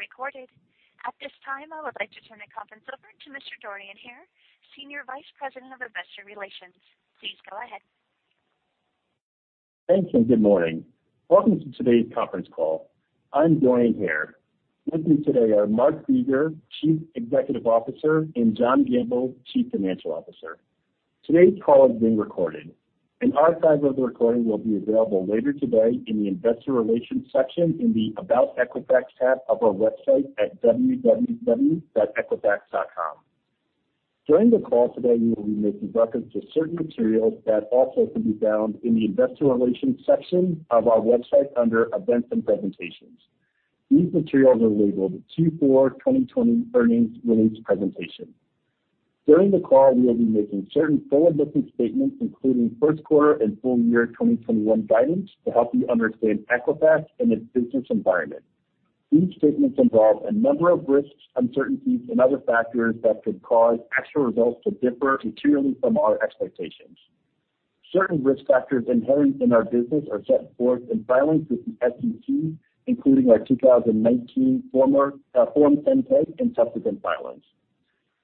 Being recorded. At this time, I would like to turn the conference over to Mr. Dorian Hare, Senior Vice President of Investor Relations. Please go ahead. Thank you, and good morning. Welcome to today's conference call. I'm Dorian Hare. With me today are Mark Begor, Chief Executive Officer, and John Gamble, Chief Financial Officer. Today's call is being recorded. An archive of the recording will be available later today in the Investor Relations section in the About Equifax tab of our website at www.equifax.com. During the call today, we will be making reference to certain materials that also can be found in the Investor Relations section of our website under Events and Presentations. These materials are labeled Q4 2020 Earnings Release Presentation. During the call, we will be making certain forward-looking statements, including first quarter and full year 2021 guidance, to help you understand Equifax and its business environment. These statements involve a number of risks, uncertainties, and other factors that could cause actual results to differ materially from our expectations. Certain risk factors inherent in our business are set forth in filings with the SEC, including our 2019 Form Sente and subsequent filings.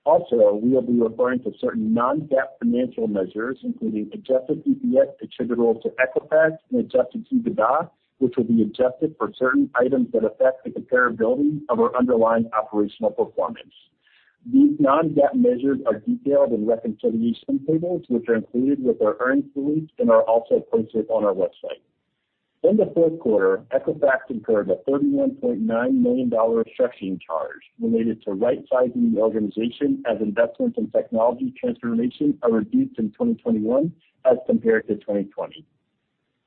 Also, we will be referring to certain non-GAAP financial measures, including Adjusted EPS attributable to Equifax and Adjusted EBITDA, which will be adjusted for certain items that affect the comparability of our underlying operational performance. These non-GAAP measures are detailed in reconciliation tables, which are included with our earnings release and are also posted on our website. In the fourth quarter, Equifax incurred a $31.9 million structuring charge related to right-sizing the organization, as investments in technology transformation are reduced in 2021 as compared to 2020.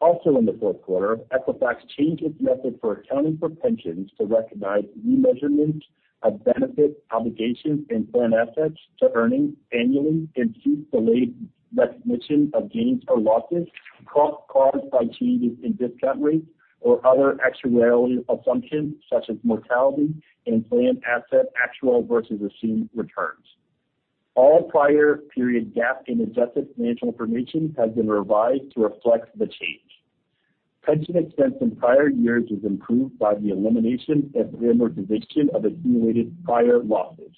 Also, in the fourth quarter, Equifax changed its method for accounting for pensions to recognize remeasurements of benefits, obligations, and plan assets to earnings annually and seeks delayed recognition of gains or losses caused by changes in discount rates or other extraordinary assumptions, such as mortality and plan asset actual versus assumed returns. All prior period GAAP and adjusted financial information has been revised to reflect the change. Pension expense in prior years is improved by the elimination and reamortization of accumulated prior losses.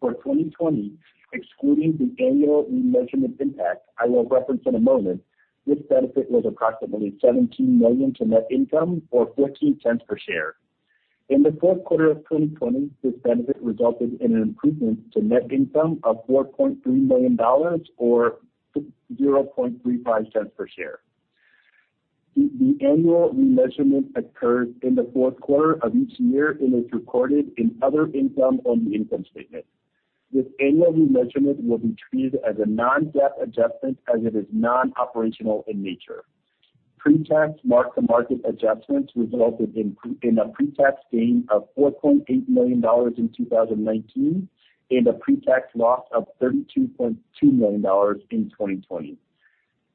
For 2020, excluding the annual remeasurement impact I will reference in a moment, this benefit was approximately $17 million to net income or $0.14 per share. In the fourth quarter of 2020, this benefit resulted in an improvement to net income of $4.3 million or $0.35 per share. The annual remeasurement occurs in the fourth quarter of each year and is recorded in other income on the income statement. This annual remeasurement will be treated as a non-GAAP adjustment as it is non-operational in nature. Pre-tax mark-to-market adjustments resulted in a pre-tax gain of $4.8 million in 2019 and a pre-tax loss of $32.2 million in 2020.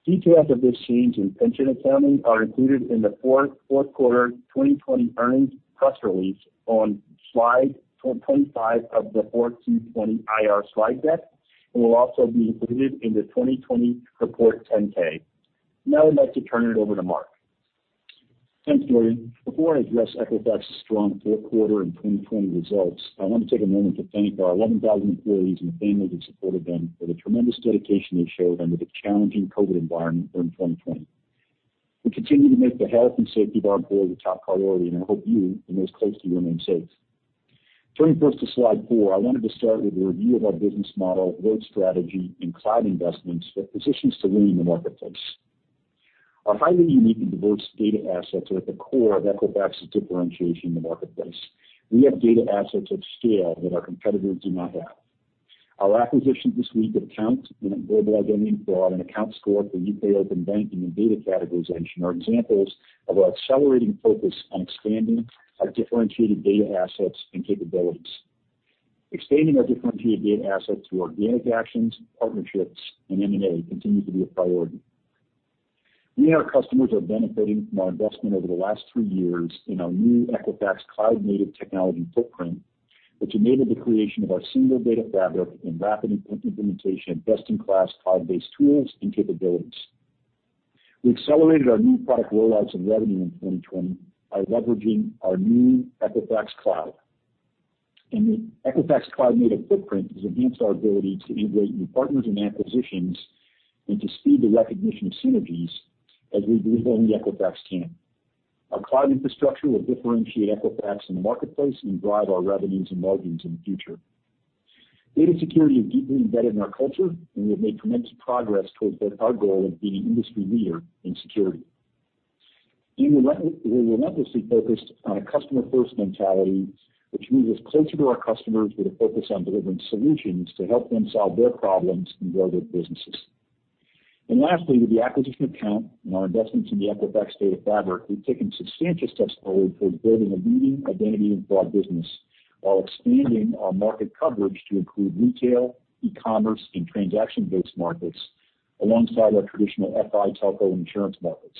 Details of this change in pension accounting are included in the fourth quarter 2020 earnings press release on slide 25 of the 4Q20 IR slide deck and will also be included in the 2020 report 10-K. Now I'd like to turn it over to Mark. Thanks, Dorian. Before I address Equifax's strong fourth quarter and 2020 results, I want to take a moment to thank our 11,000 employees and families who supported them for the tremendous dedication they showed under the challenging COVID environment during 2020. We continue to make the health and safety of our employees a top priority, and I hope you and those close to you remain safe. Turning first to slide four, I wanted to start with a review of our business model, growth strategy, and cloud investments with positions to win in the marketplace. Our highly unique and diverse data assets are at the core of Equifax's differentiation in the marketplace. We have data assets at scale that our competitors do not have. Our acquisitions this week at Account and at Global Identity and Fraud and AccountScore for U.K. Open Banking and data categorization are examples of our accelerating focus on expanding our differentiated data assets and capabilities. Expanding our differentiated data assets through organic actions, partnerships, and M&A continues to be a priority. We and our customers are benefiting from our investment over the last three years in our new Equifax cloud-native technology footprint, which enabled the creation of our single data fabric and rapid implementation of best-in-class cloud-based tools and capabilities. We accelerated our new product rollouts and revenue in 2020 by leveraging our new Equifax Cloud. The Equifax cloud-native footprint has enhanced our ability to integrate new partners and acquisitions and to speed the recognition of synergies as we believe only Equifax can. Our cloud infrastructure will differentiate Equifax in the marketplace and drive our revenues and margins in the future. Data security is deeply embedded in our culture, and we have made tremendous progress towards our goal of being an industry leader in security. We're relentlessly focused on a customer-first mentality, which moves us closer to our customers with a focus on delivering solutions to help them solve their problems and grow their businesses. Lastly, with the acquisition of AccountScore and our investments in the Equifax data fabric, we've taken substantial steps forward towards building a leading identity and fraud business while expanding our market coverage to include retail, e-commerce, and transaction-based markets alongside our traditional FI, telco, and insurance markets.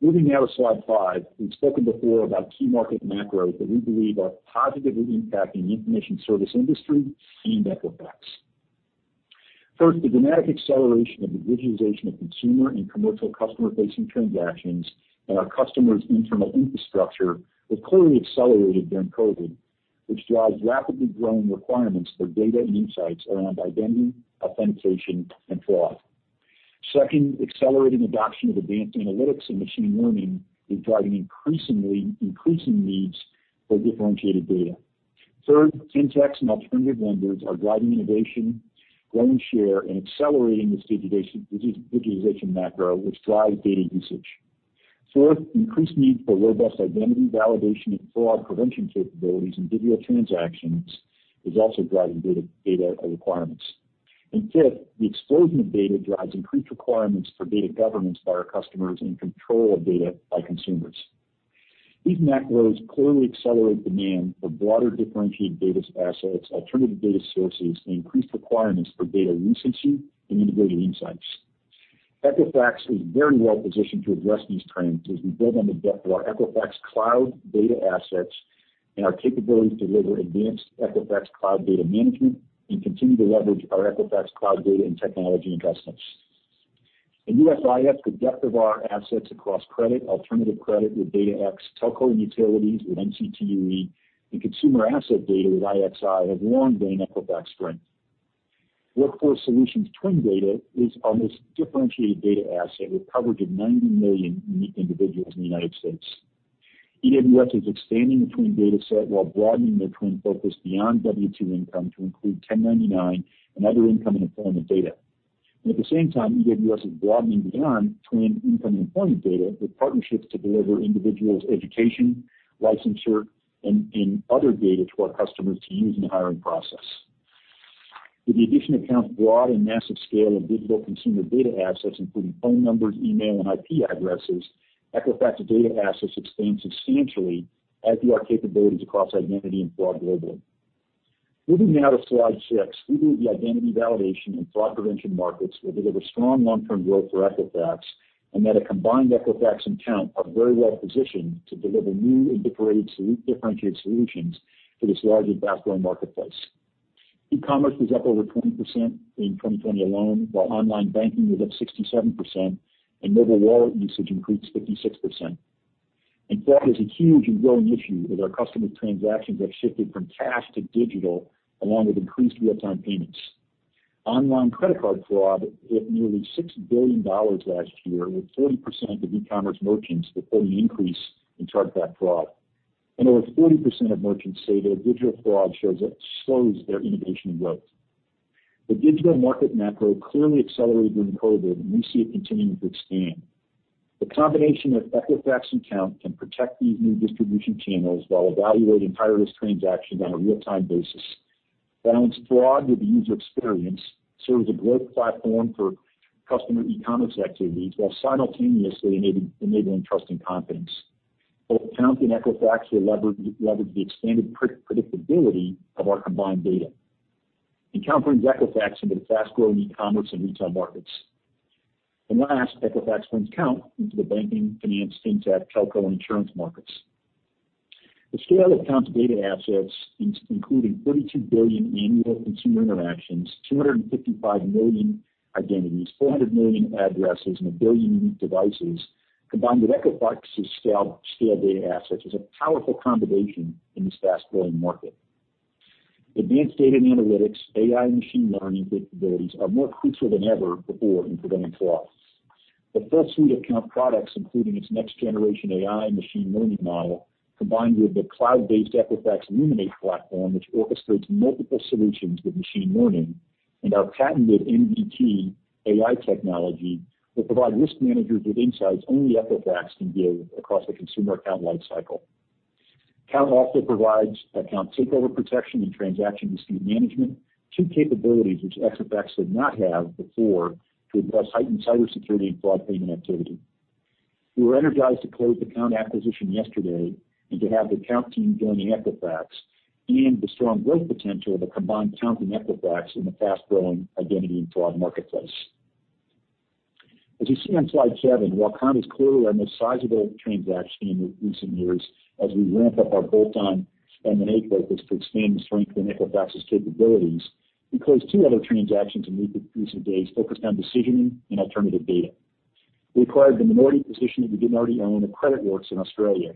Moving now to slide five, we've spoken before about key market macros that we believe are positively impacting the information service industry and Equifax. First, the dramatic acceleration of the digitization of consumer and commercial customer-facing transactions and our customers' internal infrastructure has clearly accelerated during COVID, which drives rapidly growing requirements for data and insights around identity, authentication, and fraud. Second, accelerating adoption of advanced analytics and machine learning is driving increasing needs for differentiated data. Third, fintechs and alternative lenders are driving innovation, growing share, and accelerating this digitization macro, which drives data usage. Fourth, increased need for robust identity validation and fraud prevention capabilities in digital transactions is also driving data requirements. Fifth, the explosion of data drives increased requirements for data governance by our customers and control of data by consumers. These macros clearly accelerate demand for broader differentiated data assets, alternative data sources, and increased requirements for data recency and integrated insights. Equifax is very well positioned to address these trends as we build on the depth of our Equifax Cloud data assets and our capabilities to deliver advanced Equifax Cloud data management and continue to leverage our Equifax Cloud data and technology investments. In USIS, the depth of our assets across credit, alternative credit with DataX, telco and utilities with MCTUE, and consumer asset data with IXI has long been an Equifax strength. Workforce Solutions Twin Data is our most differentiated data asset with coverage of 90 million unique individuals in the United States. EWS is expanding the Twin Data set while broadening their Twin focus beyond W-2 income to include 1099 and other income and employment data. At the same time, EWS is broadening beyond Twin income and employment data with partnerships to deliver individuals' education, licensure, and other data to our customers to use in the hiring process. With the addition of AccountScore's broad and massive scale of digital consumer data assets, including phone numbers, email, and IP addresses, Equifax's data assets expand substantially as do our capabilities across identity and fraud globally. Moving now to slide six, we believe the identity validation and fraud prevention markets will deliver strong long-term growth for Equifax and that a combined Equifax and AccountScore are very well positioned to deliver new and differentiated solutions to this large and fast-growing marketplace. E-commerce was up over 20% in 2020 alone, while online banking was up 67%, and mobile wallet usage increased 56%. Fraud is a huge and growing issue as our customers' transactions have shifted from cash to digital along with increased real-time payments. Online credit card fraud hit nearly $6 billion last year, with 40% of e-commerce merchants reporting an increase in chargeback fraud. Over 40% of merchants say their digital fraud shows that slows their innovation and growth. The digital market macro clearly accelerated during COVID, and we see it continuing to expand. The combination of Equifax and Account can protect these new distribution channels while evaluating high-risk transactions on a real-time basis, balance fraud with the user experience, serve as a growth platform for customer e-commerce activities, while simultaneously enabling trust and confidence. Both Account and Equifax will leverage the expanded predictability of our combined data. Encountering Equifax into the fast-growing e-commerce and retail markets. Last, Equifax brings Account into the banking, finance, fintech, telco, and insurance markets. The scale of Account's data assets, including 32 billion annual consumer interactions, 255 million identities, 400 million addresses, and 1 billion unique devices, combined with Equifax's scaled data assets, is a powerful combination in this fast-growing market. Advanced data and analytics, AI and machine learning capabilities are more crucial than ever before in preventing fraud. The full suite of AccountScore products, including its next-generation AI and machine learning model, combined with the cloud-based Equifax Luminate platform, which orchestrates multiple solutions with machine learning and our patented MVP AI technology, will provide risk managers with insights only Equifax can give across the consumer account lifecycle. AccountScore also provides account takeover protection and transaction dispute management, two capabilities which Equifax did not have before to address heightened cybersecurity and fraud payment activity. We were energized to close the AccountScore acquisition yesterday and to have the AccountScore team joining Equifax and the strong growth potential of a combined AccountScore and Equifax in the fast-growing identity and fraud marketplace. As you see on slide seven, while AccountScore is clearly our most sizable transaction in recent years as we ramp up our bolt-on M&A focus to expand the strength and Equifax's capabilities, we closed two other transactions in recent days focused on decisioning and alternative data. We acquired the minority position that we did not already own at CreditWorks in Australia.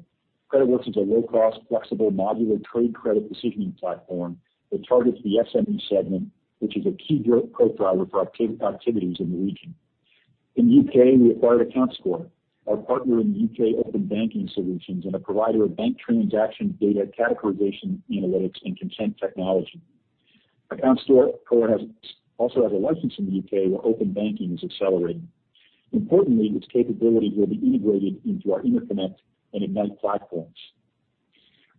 CreditWorks is a low-cost, flexible, modular trade credit decisioning platform that targets the SME segment, which is a key growth driver for activities in the region. In the U.K., we acquired AccountScore, our partner in the U.K. Open Banking Solutions and a provider of bank transaction data categorization analytics and consent technology. AccountScore also has a license in the U.K. where open banking is accelerating. Importantly, its capabilities will be integrated into our Interconnect and Ignite platforms.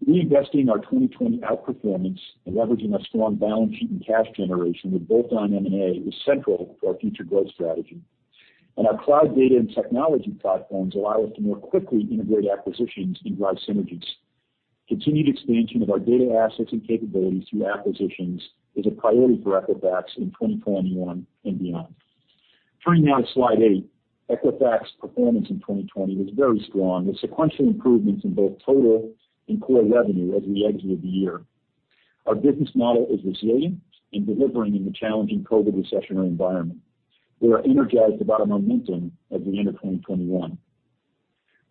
Reinvesting our 2020 outperformance and leveraging our strong balance sheet and cash generation with bolt-on M&A is central to our future growth strategy. Our cloud data and technology platforms allow us to more quickly integrate acquisitions and drive synergies. Continued expansion of our data assets and capabilities through acquisitions is a priority for Equifax in 2021 and beyond. Turning now to slide eight, Equifax's performance in 2020 was very strong with sequential improvements in both total and core revenue as we exited the year. Our business model is resilient and delivering in the challenging COVID recessionary environment. We are energized about our momentum at the end of 2021.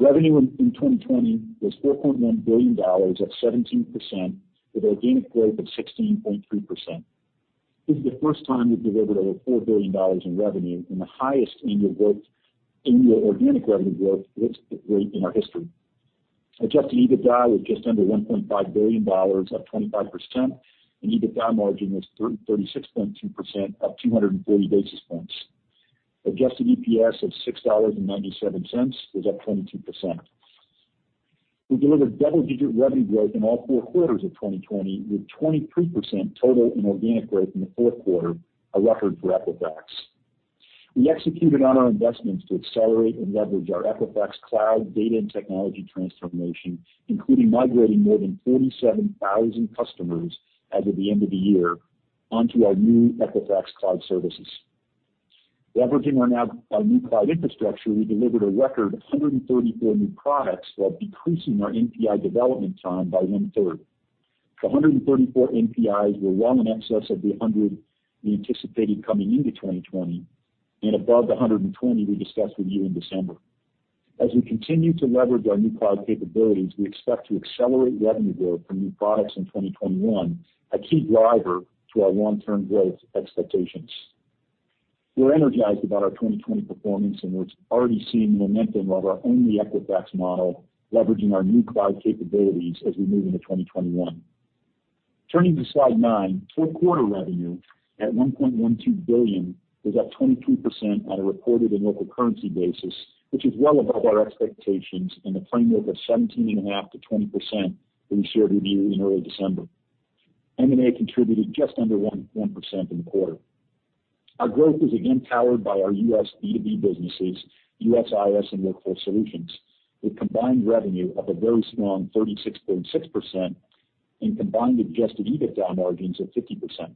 Revenue in 2020 was $4.1 billion, up 17%, with organic growth of 16.3%. This is the first time we've delivered over $4 billion in revenue and the highest annual organic revenue growth rate in our history. Adjusted EBITDA was just under $1.5 billion, up 25%, and EBITDA margin was 36.2%, up 240 basis points. Adjusted EPS of $6.97 was up 22%. We delivered double-digit revenue growth in all four quarters of 2020 with 23% total and organic growth in the fourth quarter, a record for Equifax. We executed on our investments to accelerate and leverage our Equifax Cloud data and technology transformation, including migrating more than 47,000 customers as of the end of the year onto our new Equifax Cloud services. Leveraging our new cloud infrastructure, we delivered a record 134 new products while decreasing our NPI development time by one-third. The 134 NPIs were well in excess of the 100 we anticipated coming into 2020, and above the 120 we discussed with you in December. As we continue to leverage our new cloud capabilities, we expect to accelerate revenue growth from new products in 2021, a key driver to our long-term growth expectations. We're energized about our 2020 performance and we're already seeing the momentum of our OnlyEquifax model, leveraging our new cloud capabilities as we move into 2021. Turning to slide nine, fourth quarter revenue at $1.12 billion was up 23% on a reported and local currency basis, which is well above our expectations and the framework of 17.5-20% that we shared with you in early December. M&A contributed just under 1% in the quarter. Our growth is again powered by our U.S. B2B businesses, USIS, and Workforce Solutions, with combined revenue of a very strong 36.6% and combined Adjusted EBITDA margins of 50%.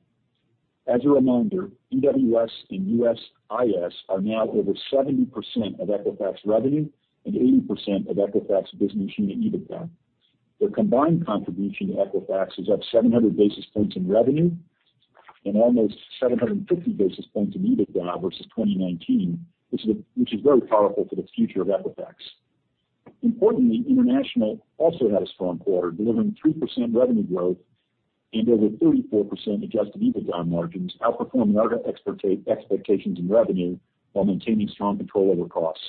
As a reminder, EWS and USIS are now over 70% of Equifax revenue and 80% of Equifax business unit EBITDA. Their combined contribution to Equifax is up 700 basis points in revenue and almost 750 basis points in EBITDA versus 2019, which is very powerful for the future of Equifax. Importantly, international also had a strong quarter, delivering 3% revenue growth and over 34% Adjusted EBITDA margins, outperforming our expectations in revenue while maintaining strong control over costs.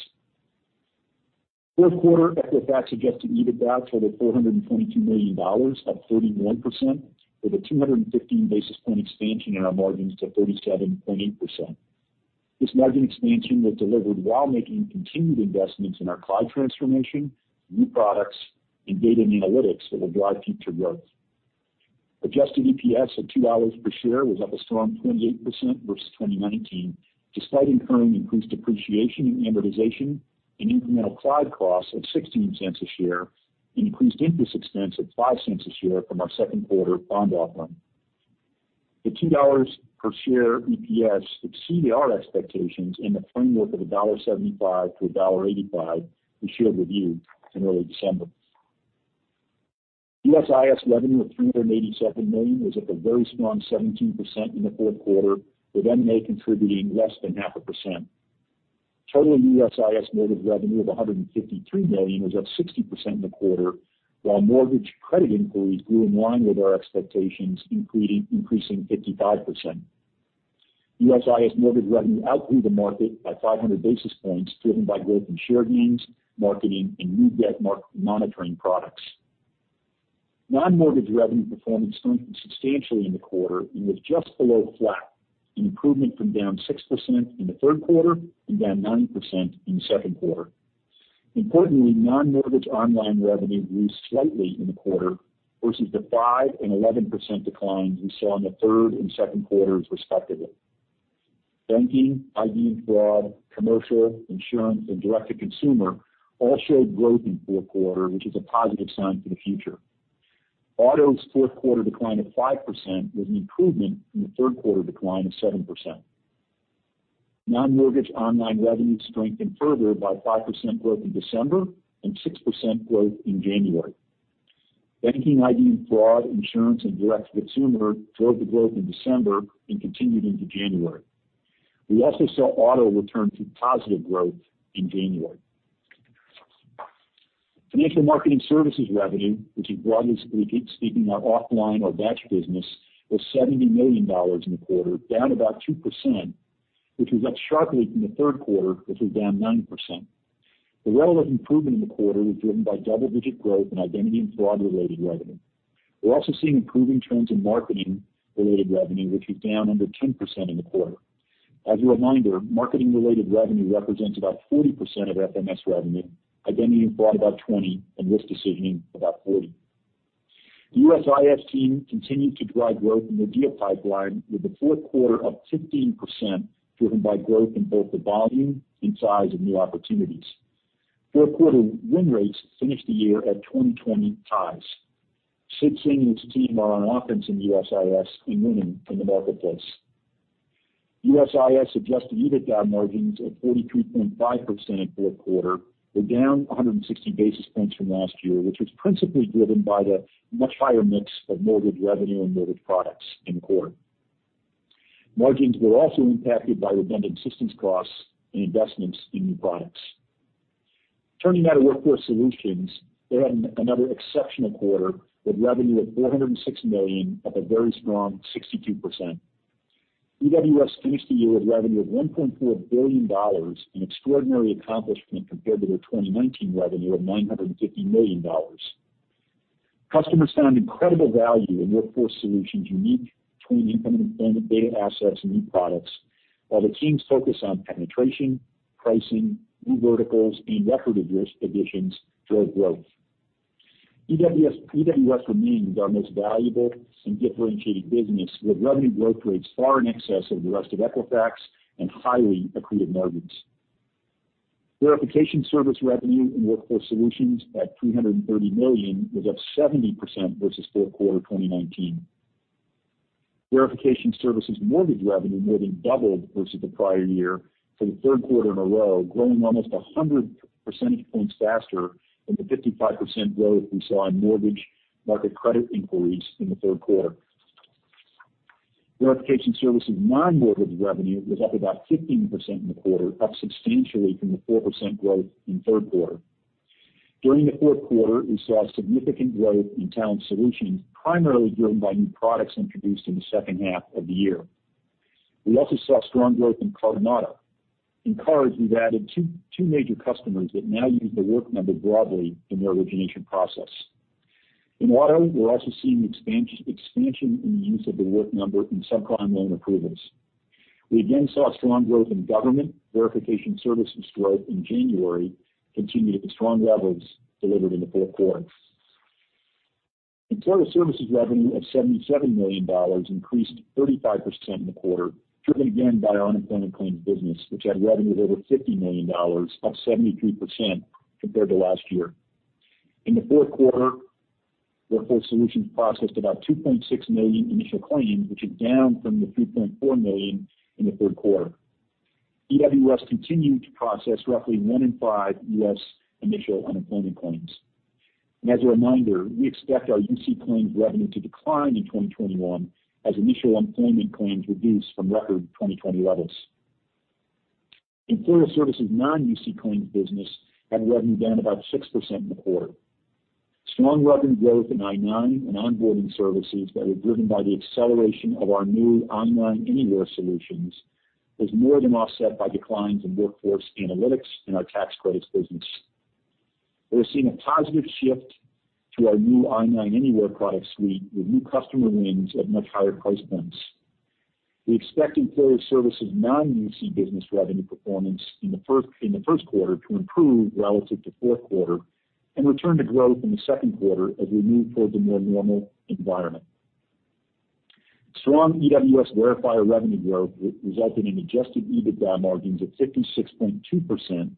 Fourth quarter, Equifax Adjusted EBITDA totaled $422 million, up 31%, with a 215 basis point expansion in our margins to 37.8%. This margin expansion was delivered while making continued investments in our cloud transformation, new products, and data and analytics that will drive future growth. Adjusted EPS of $2 per share was up a strong 28% versus 2019, despite incurring increased depreciation and amortization and incremental cloud costs of $0.16 a share and increased interest expense of $0.05 a share from our second quarter bond offering. The $2 per share EPS exceeded our expectations in the framework of $1.75-$1.85 we shared with you in early December. USIS revenue of $387 million was up a very strong 17% in the fourth quarter, with M&A contributing less than half a percent. Total USIS mortgage revenue of $153 million was up 60% in the quarter, while mortgage credit inquiries grew in line with our expectations, increasing 55%. USIS mortgage revenue outgrew the market by 500 basis points, driven by growth in share gains, marketing, and new debt monitoring products. Non-mortgage revenue performance strengthened substantially in the quarter and was just below flat, an improvement from down 6% in the third quarter and down 9% in the second quarter. Importantly, non-mortgage online revenue grew slightly in the quarter versus the 5% and 11% declines we saw in the third and second quarters, respectively. Banking, ID and fraud, commercial, insurance, and direct-to-consumer all showed growth in the fourth quarter, which is a positive sign for the future. Auto's fourth quarter decline of 5% was an improvement from the third quarter decline of 7%. Non-mortgage online revenue strengthened further by 5% growth in December and 6% growth in January. Banking, ID and fraud, insurance, and direct-to-consumer drove the growth in December and continued into January. We also saw auto return to positive growth in January. Financial Marketing Services revenue, which is broadly speaking our offline or batch business, was $70 million in the quarter, down about 2%, which was up sharply from the third quarter, which was down 9%. The relative improvement in the quarter was driven by double-digit growth in identity and fraud-related revenue. We're also seeing improving trends in marketing-related revenue, which was down under 10% in the quarter. As a reminder, marketing-related revenue represents about 40% of FMS revenue, identity and fraud about 20%, and risk decisioning about 40%. The USIS team continued to drive growth in their deal pipeline with the fourth quarter up 15%, driven by growth in both the volume and size of new opportunities. Fourth quarter win rates finished the year at 20-20 ties. Sid Singh and his team are on offense in USIS and winning in the marketplace. USIS Adjusted EBITDA margins of 43.5% in the fourth quarter were down 160 basis points from last year, which was principally driven by the much higher mix of mortgage revenue and mortgage products in the quarter. Margins were also impacted by redundant systems costs and investments in new products. Turning now to Workforce Solutions, they had another exceptional quarter with revenue of $406 million, up a very strong 62%. EWS finished the year with revenue of $1.4 billion, an extraordinary accomplishment compared to their 2019 revenue of $950 million. Customers found incredible value in Workforce Solutions' unique twin income and employment data assets and new products, while the team's focus on penetration, pricing, new verticals, and record-of-risk additions drove growth. EWS remains our most valuable and differentiated business, with revenue growth rates far in excess of the rest of Equifax and highly accretive margins. Verification service revenue in Workforce Solutions at $330 million was up 70% versus fourth quarter 2019. Verification services mortgage revenue more than doubled versus the prior year for the third quarter in a row, growing almost 100 percentage points faster than the 55% growth we saw in mortgage market credit inquiries in the third quarter. Verification services non-mortgage revenue was up about 15% in the quarter, up substantially from the 4% growth in the third quarter. During the fourth quarter, we saw significant growth in Talent Solutions, primarily driven by new products introduced in the second half of the year. We also saw strong growth in Carbonata. In Car, we've added two major customers that now use The Work Number broadly in their origination process. In Auto, we're also seeing expansion in the use of The Work Number in subprime loan approvals. We again saw strong growth in government. Verification services growth in January continued at strong levels delivered in the fourth quarter. Employer services revenue of $77 million increased 35% in the quarter, driven again by our unemployment claims business, which had revenue of over $50 million, up 73% compared to last year. In the fourth quarter, Workforce Solutions processed about 2.6 million initial claims, which is down from the 3.4 million in the third quarter. EWS continued to process roughly one in five U.S. initial unemployment claims. As a reminder, we expect our UC claims revenue to decline in 2021 as initial unemployment claims reduce from record 2020 levels. Employer services non-UC claims business had revenue down about 6% in the quarter. Strong revenue growth in I9 and onboarding services that were driven by the acceleration of our new I9 Anywhere solutions was more than offset by declines in workforce analytics and our tax credits business. We're seeing a positive shift to our new i9 Anywhere product suite with new customer wins at much higher price points. We expect employer services non-UC business revenue performance in the first quarter to improve relative to fourth quarter and return to growth in the second quarter as we move towards a more normal environment. Strong EWS verifier revenue growth resulted in Adjusted EBITDA margins of 56.2%,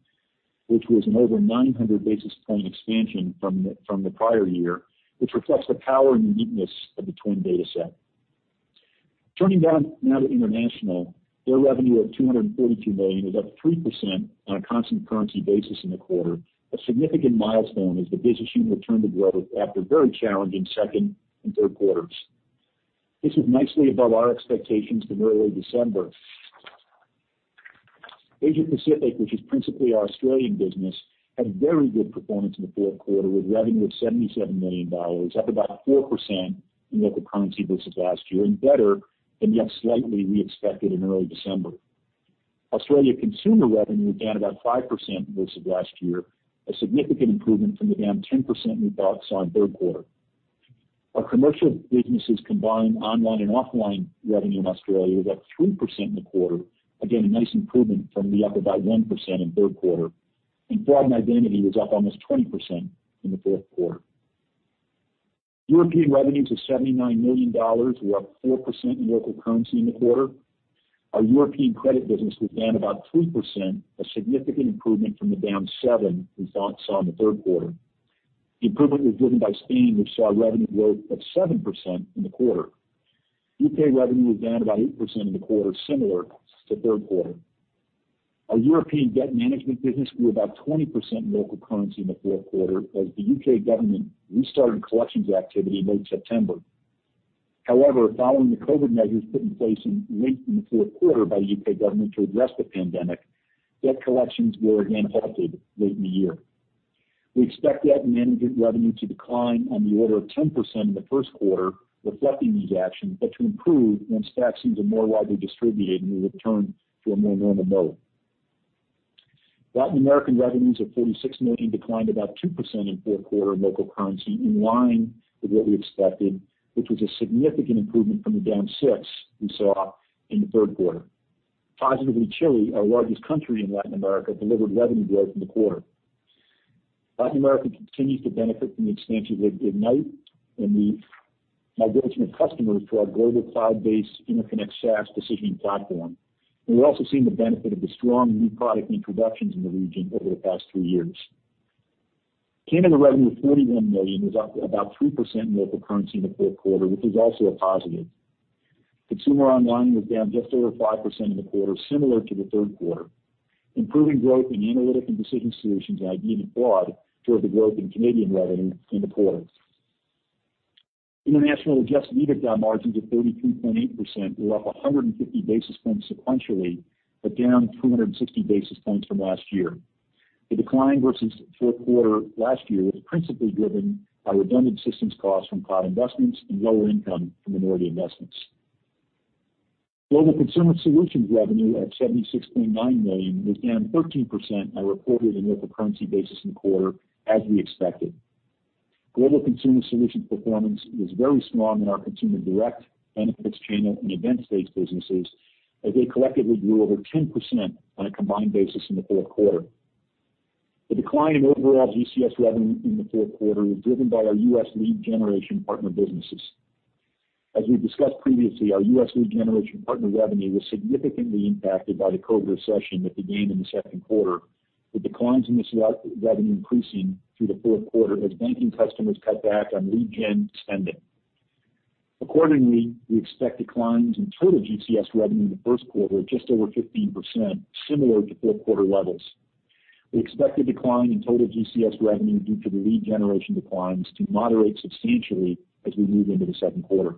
which was an over 900 basis point expansion from the prior year, which reflects the power and uniqueness of the twin data set. Turning down now to international, their revenue of $242 million is up 3% on a constant currency basis in the quarter. A significant milestone as the business unit returned to growth after very challenging second and third quarters. This was nicely above our expectations from early December. Asia Pacific, which is principally our Australian business, had very good performance in the fourth quarter with revenue of $77 million, up about 4% in local currency versus last year, and better than yet slightly we expected in early December. Australia consumer revenue was down about 5% versus last year, a significant improvement from the down 10% we saw in third quarter. Our commercial businesses combined online and offline revenue in Australia was up 3% in the quarter, again a nice improvement from the up about 1% in third quarter, and fraud and identity was up almost 20% in the fourth quarter. European revenues of $79 million were up 4% in local currency in the quarter. Our European credit business was down about 3%, a significant improvement from the down 7% we saw in the third quarter. The improvement was driven by Spain, which saw revenue growth of 7% in the quarter. U.K. revenue was down about 8% in the quarter, similar to third quarter. Our European debt management business grew about 20% in local currency in the fourth quarter as the U.K. government restarted collections activity in late September. However, following the COVID measures put in place late in the fourth quarter by the U.K. government to address the pandemic, debt collections were again halted late in the year. We expect debt management revenue to decline on the order of 10% in the first quarter, reflecting these actions, but to improve once vaccines are more widely distributed and we return to a more normal mode. Latin American revenues of $46 million declined about 2% in the fourth quarter in local currency, in line with what we expected, which was a significant improvement from the down 6% we saw in the third quarter. Positively, Chile, our largest country in Latin America, delivered revenue growth in the quarter. Latin America continues to benefit from the expansion of Ignite and the migration of customers to our global cloud-based Interconnect SaaS decisioning platform. We are also seeing the benefit of the strong new product introductions in the region over the past three years. Canada revenue of $41 million was up about 3% in local currency in the fourth quarter, which was also a positive. Consumer online was down just over 5% in the quarter, similar to the third quarter. Improving growth in analytic and decision solutions and ID and fraud drove the growth in Canadian revenue in the quarter. International Adjusted EBITDA margins of 33.8% were up 150 basis points sequentially, but down 260 basis points from last year. The decline versus fourth quarter last year was principally driven by redundant systems costs from cloud investments and lower income from minority investments. Global consumer solutions revenue of $76.9 million was down 13% on a recorded in local currency basis in the quarter, as we expected. Global consumer solutions performance was very strong in our consumer direct, benefits channel, and events-based businesses, as they collectively grew over 10% on a combined basis in the fourth quarter. The decline in overall GCS revenue in the fourth quarter was driven by our U.S. lead generation partner businesses. As we've discussed previously, our U.S. lead generation partner revenue was significantly impacted by the COVID recession that began in the second quarter, with declines in this revenue increasing through the fourth quarter as banking customers cut back on lead gen spending. Accordingly, we expect declines in total GCS revenue in the first quarter of just over 15%, similar to fourth quarter levels. We expect the decline in total GCS revenue due to the lead generation declines to moderate substantially as we move into the second quarter.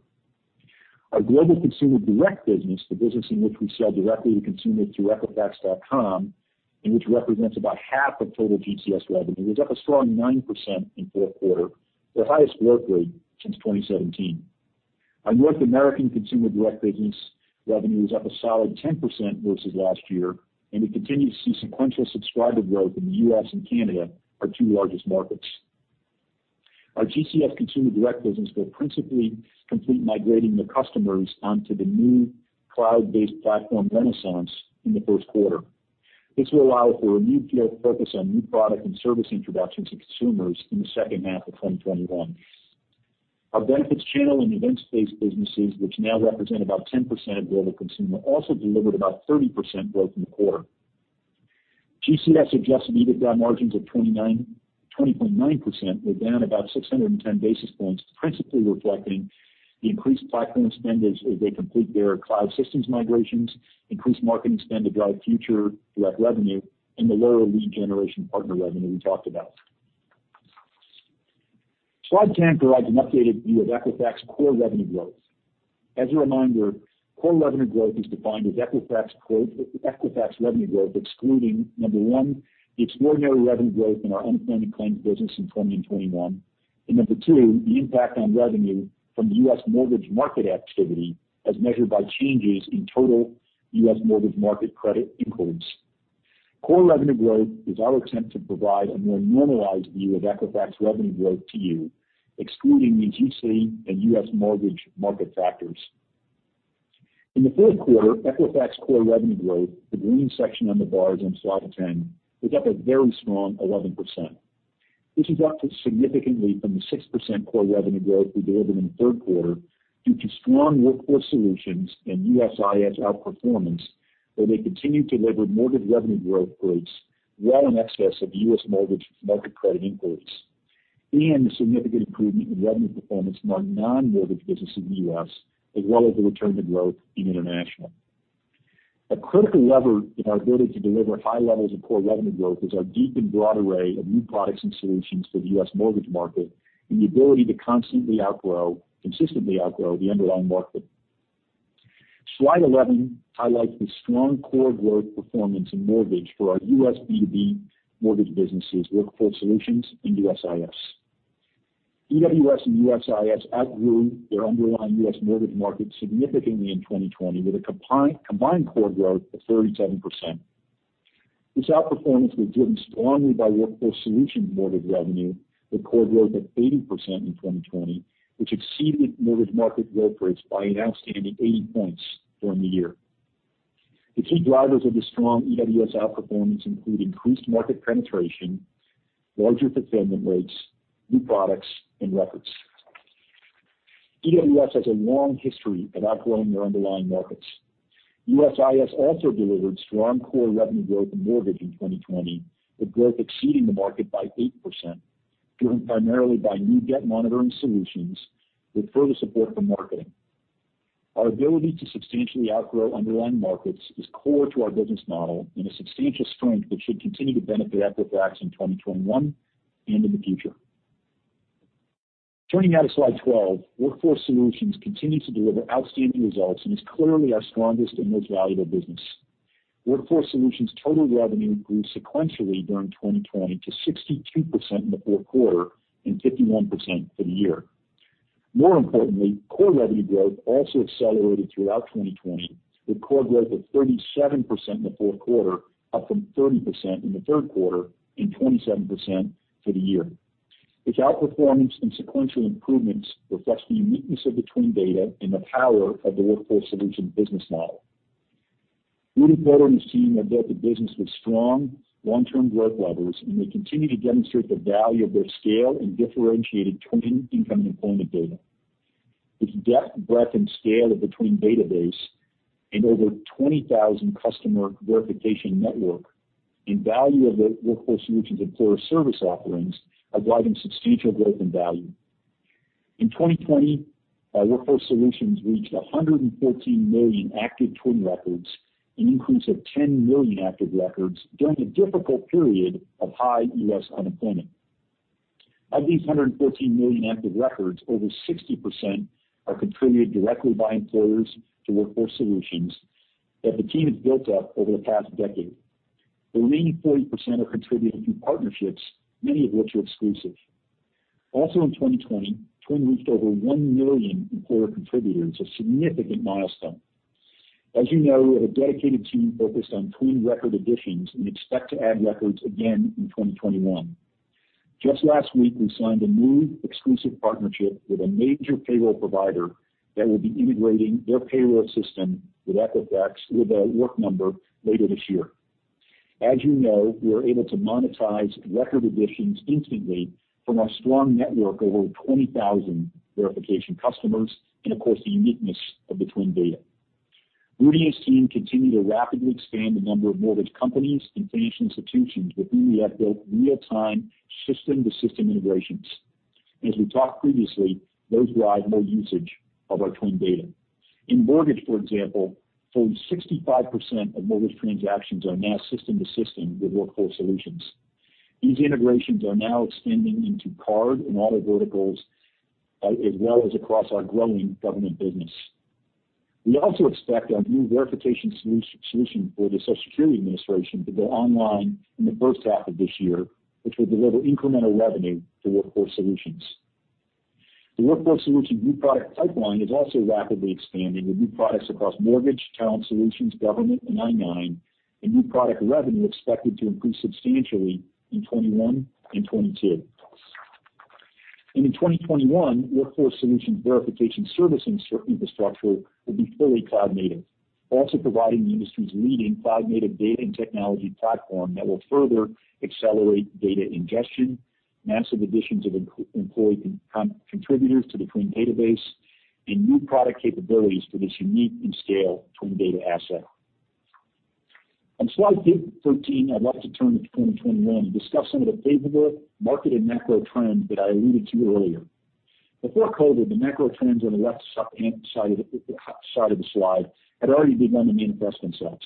Our global consumer direct business, the business in which we sell directly to consumers through Equifax.com, and which represents about half of total GCS revenue, was up a strong 9% in fourth quarter, their highest growth rate since 2017. Our North American consumer direct business revenue was up a solid 10% versus last year, and we continue to see sequential subscriber growth in the U.S. and Canada, our two largest markets. Our GCS consumer direct business will principally complete migrating their customers onto the new cloud-based platform Renaissance in the first quarter. This will allow for a new focus on new product and service introductions to consumers in the second half of 2021. Our benefits channel and events-based businesses, which now represent about 10% of global consumer, also delivered about 30% growth in the quarter. GCS Adjusted EBITDA margins of 20.9% were down about 610 basis points, principally reflecting the increased platform spend as they complete their cloud systems migrations, increased marketing spend to drive future direct revenue, and the lower lead generation partner revenue we talked about. Slide, Cantorides an updated view of Equifax core revenue growth. As a reminder, core revenue growth is defined as Equifax revenue growth excluding, number one, the extraordinary revenue growth in our unemployment claims business in 2021, and number two, the impact on revenue from U.S. mortgage market activity as measured by changes in total U.S. mortgage market credit inquiries. Core revenue growth is our attempt to provide a more normalized view of Equifax revenue growth to you, excluding these UC and U.S. mortgage market factors. In the fourth quarter, Equifax core revenue growth, the green section on the bars on slide 10, was up a very strong 11%. This is up significantly from the 6% core revenue growth we delivered in the third quarter due to strong Workforce Solutions and USIS outperformance, where they continued to deliver mortgage revenue growth rates well in excess of U.S. mortgage market credit inquiries, and the significant improvement in revenue performance from our non-mortgage business in the U.S., as well as the return to growth in international. A critical lever in our ability to deliver high levels of core revenue growth is our deep and broad array of new products and solutions for the U.S. mortgage market and the ability to consistently outgrow the underlying market. Slide 11 highlights the strong core growth performance in mortgage for our U.S. B2B mortgage businesses, Workforce Solutions and USIS. EWS and USIS outgrew their underlying U.S. mortgage market significantly in 2020 with a combined core growth of 37%. This outperformance was driven strongly by Workforce Solutions mortgage revenue, with core growth of 80% in 2020, which exceeded mortgage market growth rates by an outstanding 80 percentage points during the year. The key drivers of the strong EWS outperformance include increased market penetration, larger fulfillment rates, new products, and records. EWS has a long history of outgrowing their underlying markets. USIS also delivered strong core revenue growth in mortgage in 2020, with growth exceeding the market by 8%, driven primarily by new debt monitoring solutions with further support from marketing. Our ability to substantially outgrow underlying markets is core to our business model and a substantial strength that should continue to benefit Equifax in 2021 and in the future. Turning now to slide 12, Workforce Solutions continues to deliver outstanding results and is clearly our strongest and most valuable business. Workforce Solutions total revenue grew sequentially during 2020 to 62% in the fourth quarter and 51% for the year. More importantly, core revenue growth also accelerated throughout 2020, with core growth of 37% in the fourth quarter, up from 30% in the third quarter and 27% for the year. This outperformance and sequential improvements reflects the uniqueness of the twin data and the power of the Workforce Solutions business model. Rudy Porter and his team have built a business with strong long-term growth levers, and they continue to demonstrate the value of their scale and differentiated twin income and employment data. Its depth, breadth, and scale of the twin database and over 20,000 customer verification network and value of the Workforce Solutions employer service offerings are driving substantial growth in value. In 2020, Workforce Solutions reached 114 million active Twin Data records, an increase of 10 million active records during a difficult period of high U.S. unemployment. Of these 114 million active records, over 60% are contributed directly by employers to Workforce Solutions that the team has built up over the past decade. The remaining 40% are contributed through partnerships, many of which are exclusive. Also in 2020, Twin Data reached over 1 million employer contributors, a significant milestone. As you know, we have a dedicated team focused on Twin Data record additions and expect to add records again in 2021. Just last week, we signed a new exclusive partnership with a major payroll provider that will be integrating their payroll system with Equifax with The Work Number later this year. As you know, we are able to monetize record additions instantly from our strong network of over 20,000 verification customers and, of course, the uniqueness of the twin data. Rudy and his team continue to rapidly expand the number of mortgage companies and financial institutions with whom we have built real-time system-to-system integrations. As we talked previously, those drive more usage of our twin data. In mortgage, for example, fully 65% of mortgage transactions are now system-to-system with Workforce Solutions. These integrations are now extending into card and auto verticals, as well as across our growing government business. We also expect our new verification solution for the Social Security Administration to go online in the first half of this year, which will deliver incremental revenue to Workforce Solutions. The Workforce Solutions new product pipeline is also rapidly expanding with new products across mortgage, talent solutions, government, and I9, and new product revenue expected to increase substantially in 2021 and 2022. In 2021, Workforce Solutions verification service infrastructure will be fully cloud-native, also providing the industry's leading cloud-native data and technology platform that will further accelerate data ingestion, massive additions of employee contributors to the twin database, and new product capabilities for this unique and scale twin data asset. On slide 13, I'd like to turn to 2021 and discuss some of the favorable market and macro trends that I alluded to earlier. Before COVID, the macro trends on the left side of the slide had already begun to manifest themselves.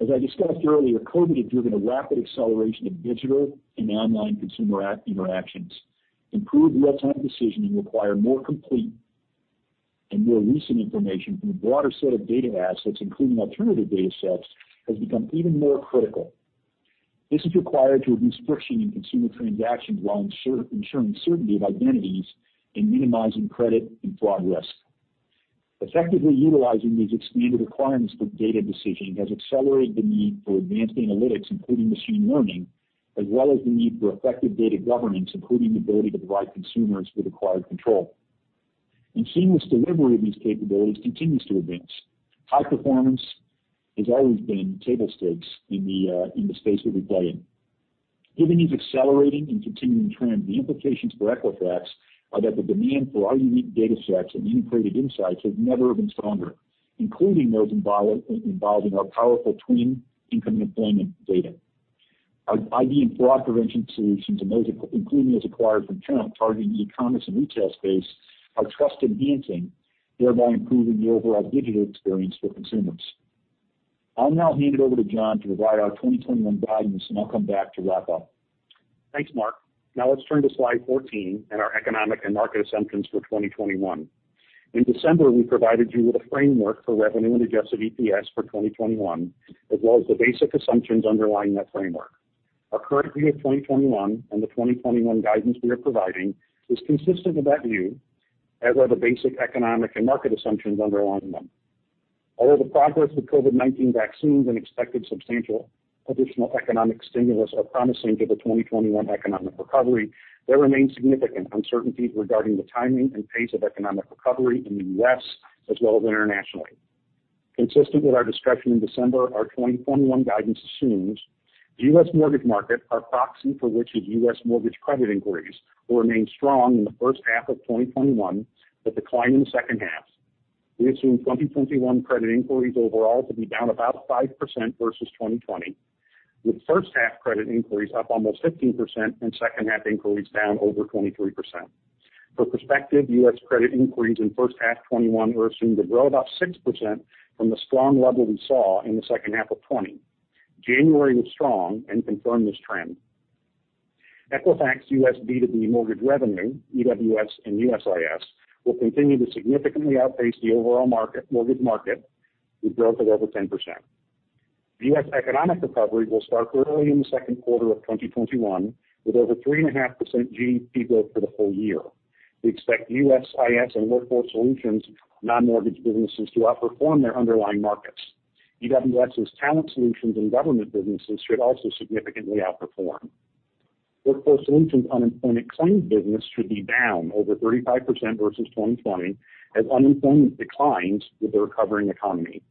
As I discussed earlier, COVID has driven a rapid acceleration of digital and online consumer interactions. Improved real-time decisioning requires more complete and more recent information from a broader set of data assets, including alternative data sets, has become even more critical. This is required to reduce friction in consumer transactions while ensuring certainty of identities and minimizing credit and fraud risk. Effectively utilizing these expanded requirements for data decisioning has accelerated the need for advanced analytics, including machine learning, as well as the need for effective data governance, including the ability to provide consumers with acquired control. Seamless delivery of these capabilities continues to advance. High performance has always been table stakes in the space that we play in. Given these accelerating and continuing trends, the implications for Equifax are that the demand for our unique data sets and integrated insights has never been stronger, including those involving our powerful twin income and employment data. Our ID and fraud prevention solutions, including those acquired from Talent targeting the e-commerce and retail space, are trust-enhancing, thereby improving the overall digital experience for consumers. I'll now hand it over to John to provide our 2021 guidance, and I'll come back to wrap up. Thanks, Mark. Now let's turn to slide 14 and our economic and market assumptions for 2021. In December, we provided you with a framework for revenue and Adjusted EPS for 2021, as well as the basic assumptions underlying that framework. Our current view of 2021 and the 2021 guidance we are providing is consistent with that view, as are the basic economic and market assumptions underlying them. Although the progress with COVID-19 vaccines and expected substantial additional economic stimulus are promising to the 2021 economic recovery, there remain significant uncertainties regarding the timing and pace of economic recovery in the U.S., as well as internationally. Consistent with our discussion in December, our 2021 guidance assumes the U.S. mortgage market, our proxy for which is U.S. mortgage credit inquiries, will remain strong in the first half of 2021, with decline in the second half. We assume 2021 credit inquiries overall to be down about 5% versus 2020, with first-half credit inquiries up almost 15% and second-half inquiries down over 23%. For perspective, U.S. credit inquiries in first half 2021 are assumed to grow about 6% from the strong level we saw in the second half of 2020. January was strong and confirmed this trend. Equifax U.S. B2B mortgage revenue, EWS and USIS, will continue to significantly outpace the overall mortgage market with growth of over 10%. U.S. economic recovery will start early in the second quarter of 2021, with over 3.5% GDP growth for the full year. We expect USIS and Workforce Solutions non-mortgage businesses to outperform their underlying markets. EWS's talent solutions and government businesses should also significantly outperform. Workforce Solutions unemployment claims business should be down over 35% versus 2020, as unemployment declines with the recovering economy.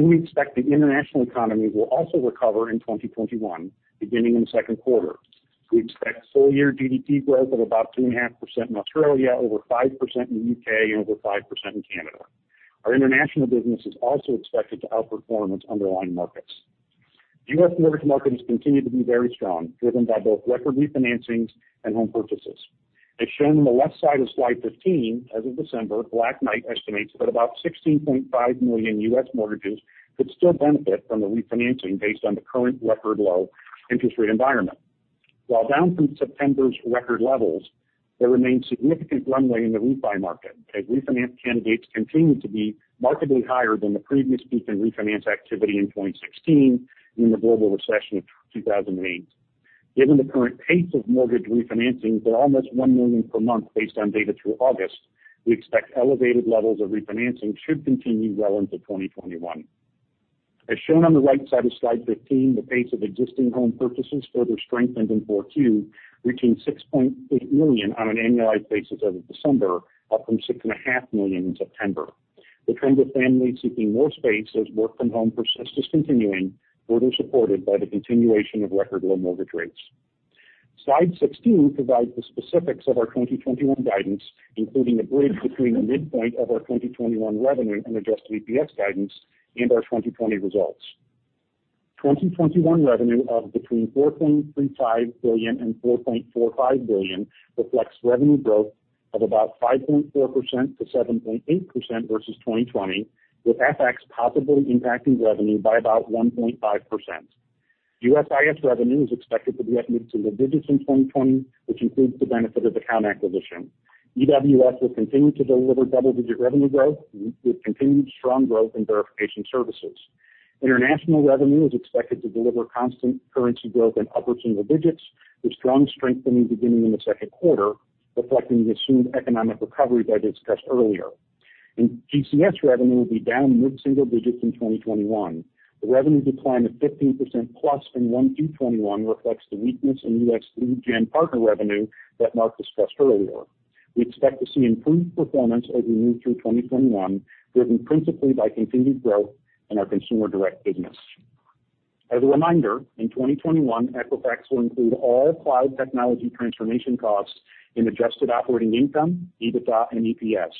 We expect the international economy will also recover in 2021, beginning in the second quarter. We expect full-year GDP growth of about 2.5% in Australia, over 5% in the U.K., and over 5% in Canada. Our international business is also expected to outperform its underlying markets. The U.S. mortgage market has continued to be very strong, driven by both record refinancings and home purchases. As shown on the left side of slide 15, as of December, Black Knight estimates that about 16.5 million U.S. mortgages could still benefit from the refinancing based on the current record low interest rate environment. While down from September's record levels, there remains significant runway in the refi market, as refinance candidates continue to be markedly higher than the previous peak in refinance activity in 2016 and the global recession of 2008. Given the current pace of mortgage refinancing for almost 1 million per month based on data through August, we expect elevated levels of refinancing should continue well into 2021. As shown on the right side of slide 15, the pace of existing home purchases further strengthened in Q4, reaching 6.8 million on an annualized basis as of December, up from 6.5 million in September. The trend of families seeking more space as work from home persists is continuing, further supported by the continuation of record low mortgage rates. Slide 16 provides the specifics of our 2021 guidance, including the bridge between the midpoint of our 2021 revenue and Adjusted EPS guidance and our 2020 results. 2021 revenue of between $4.35 billion and $4.45 billion reflects revenue growth of about 5.4%-7.8% versus 2020, with FX possibly impacting revenue by about 1.5%. USIS revenue is expected to be up near the digits in 2020, which includes the benefit of account acquisition. EWS will continue to deliver double-digit revenue growth with continued strong growth in verification services. International revenue is expected to deliver constant currency growth in upper single digits, with strong strengthening beginning in the second quarter, reflecting the assumed economic recovery that I discussed earlier. GCS revenue will be down mid-single digits in 2021. The revenue decline of 15% plus in Q1 through 2021 reflects the weakness in U.S. lead gen partner revenue that Mark discussed earlier. We expect to see improved performance as we move through 2021, driven principally by continued growth in our consumer direct business. As a reminder, in 2021, Equifax will include all cloud technology transformation costs in adjusted operating income, EBITDA, and EPS.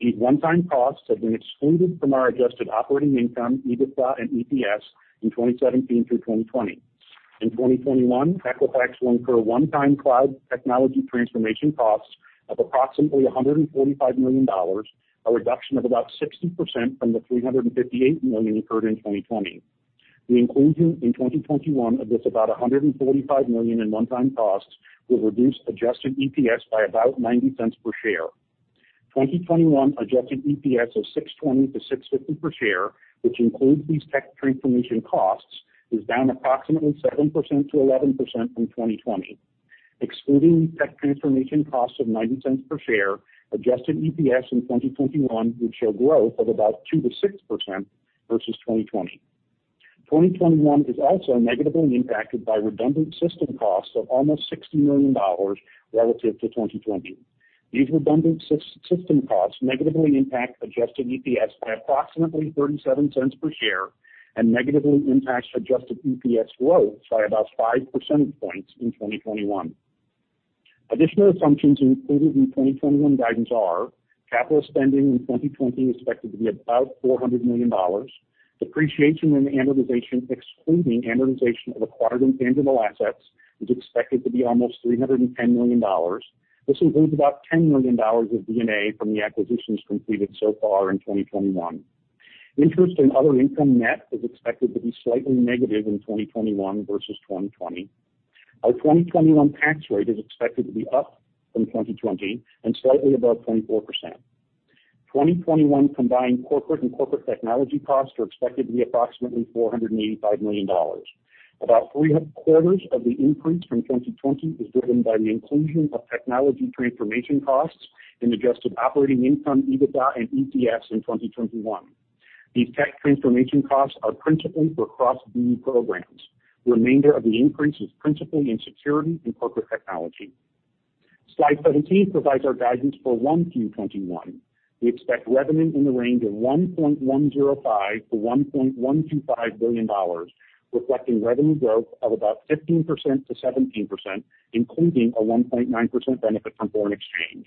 These one-time costs have been excluded from our adjusted operating income, EBITDA, and EPS in 2017 through 2020. In 2021, Equifax will incur one-time cloud technology transformation costs of approximately $145 million, a reduction of about 60% from the $358 million incurred in 2020. The inclusion in 2021 of this about $145 million in one-time costs will reduce Adjusted EPS by about $0.90 per share. 2021 Adjusted EPS of $6.20-$6.50 per share, which includes these tech transformation costs, is down approximately 7%-11% from 2020. Excluding these tech transformation costs of $0.90 per share, Adjusted EPS in 2021 would show growth of about 2%-6% versus 2020. 2021 is also negatively impacted by redundant system costs of almost $60 million relative to 2020. These redundant system costs negatively impact Adjusted EPS by approximately $0.37 per share and negatively impact Adjusted EPS growth by about 5 percentage points in 2021. Additional assumptions included in 2021 guidance are capital spending in 2020 expected to be about $400 million. Depreciation and amortization, excluding amortization of acquired intangible assets, is expected to be almost $310 million. This includes about $10 million of D&A from the acquisitions completed so far in 2021. Interest and other income net is expected to be slightly negative in 2021 versus 2020. Our 2021 tax rate is expected to be up from 2020 and slightly above 24%. 2021 combined corporate and corporate technology costs are expected to be approximately $485 million. About three quarters of the increase from 2020 is driven by the inclusion of technology transformation costs in adjusted operating income, EBITDA, and EPS in 2021. These tech transformation costs are principally for cross-building programs. The remainder of the increase is principally in security and corporate technology. Slide 17 provides our guidance for Q1 through 2021. We expect revenue in the range of $1.105-$1.125 billion, reflecting revenue growth of about 15%-17%, including a 1.9% benefit from foreign exchange.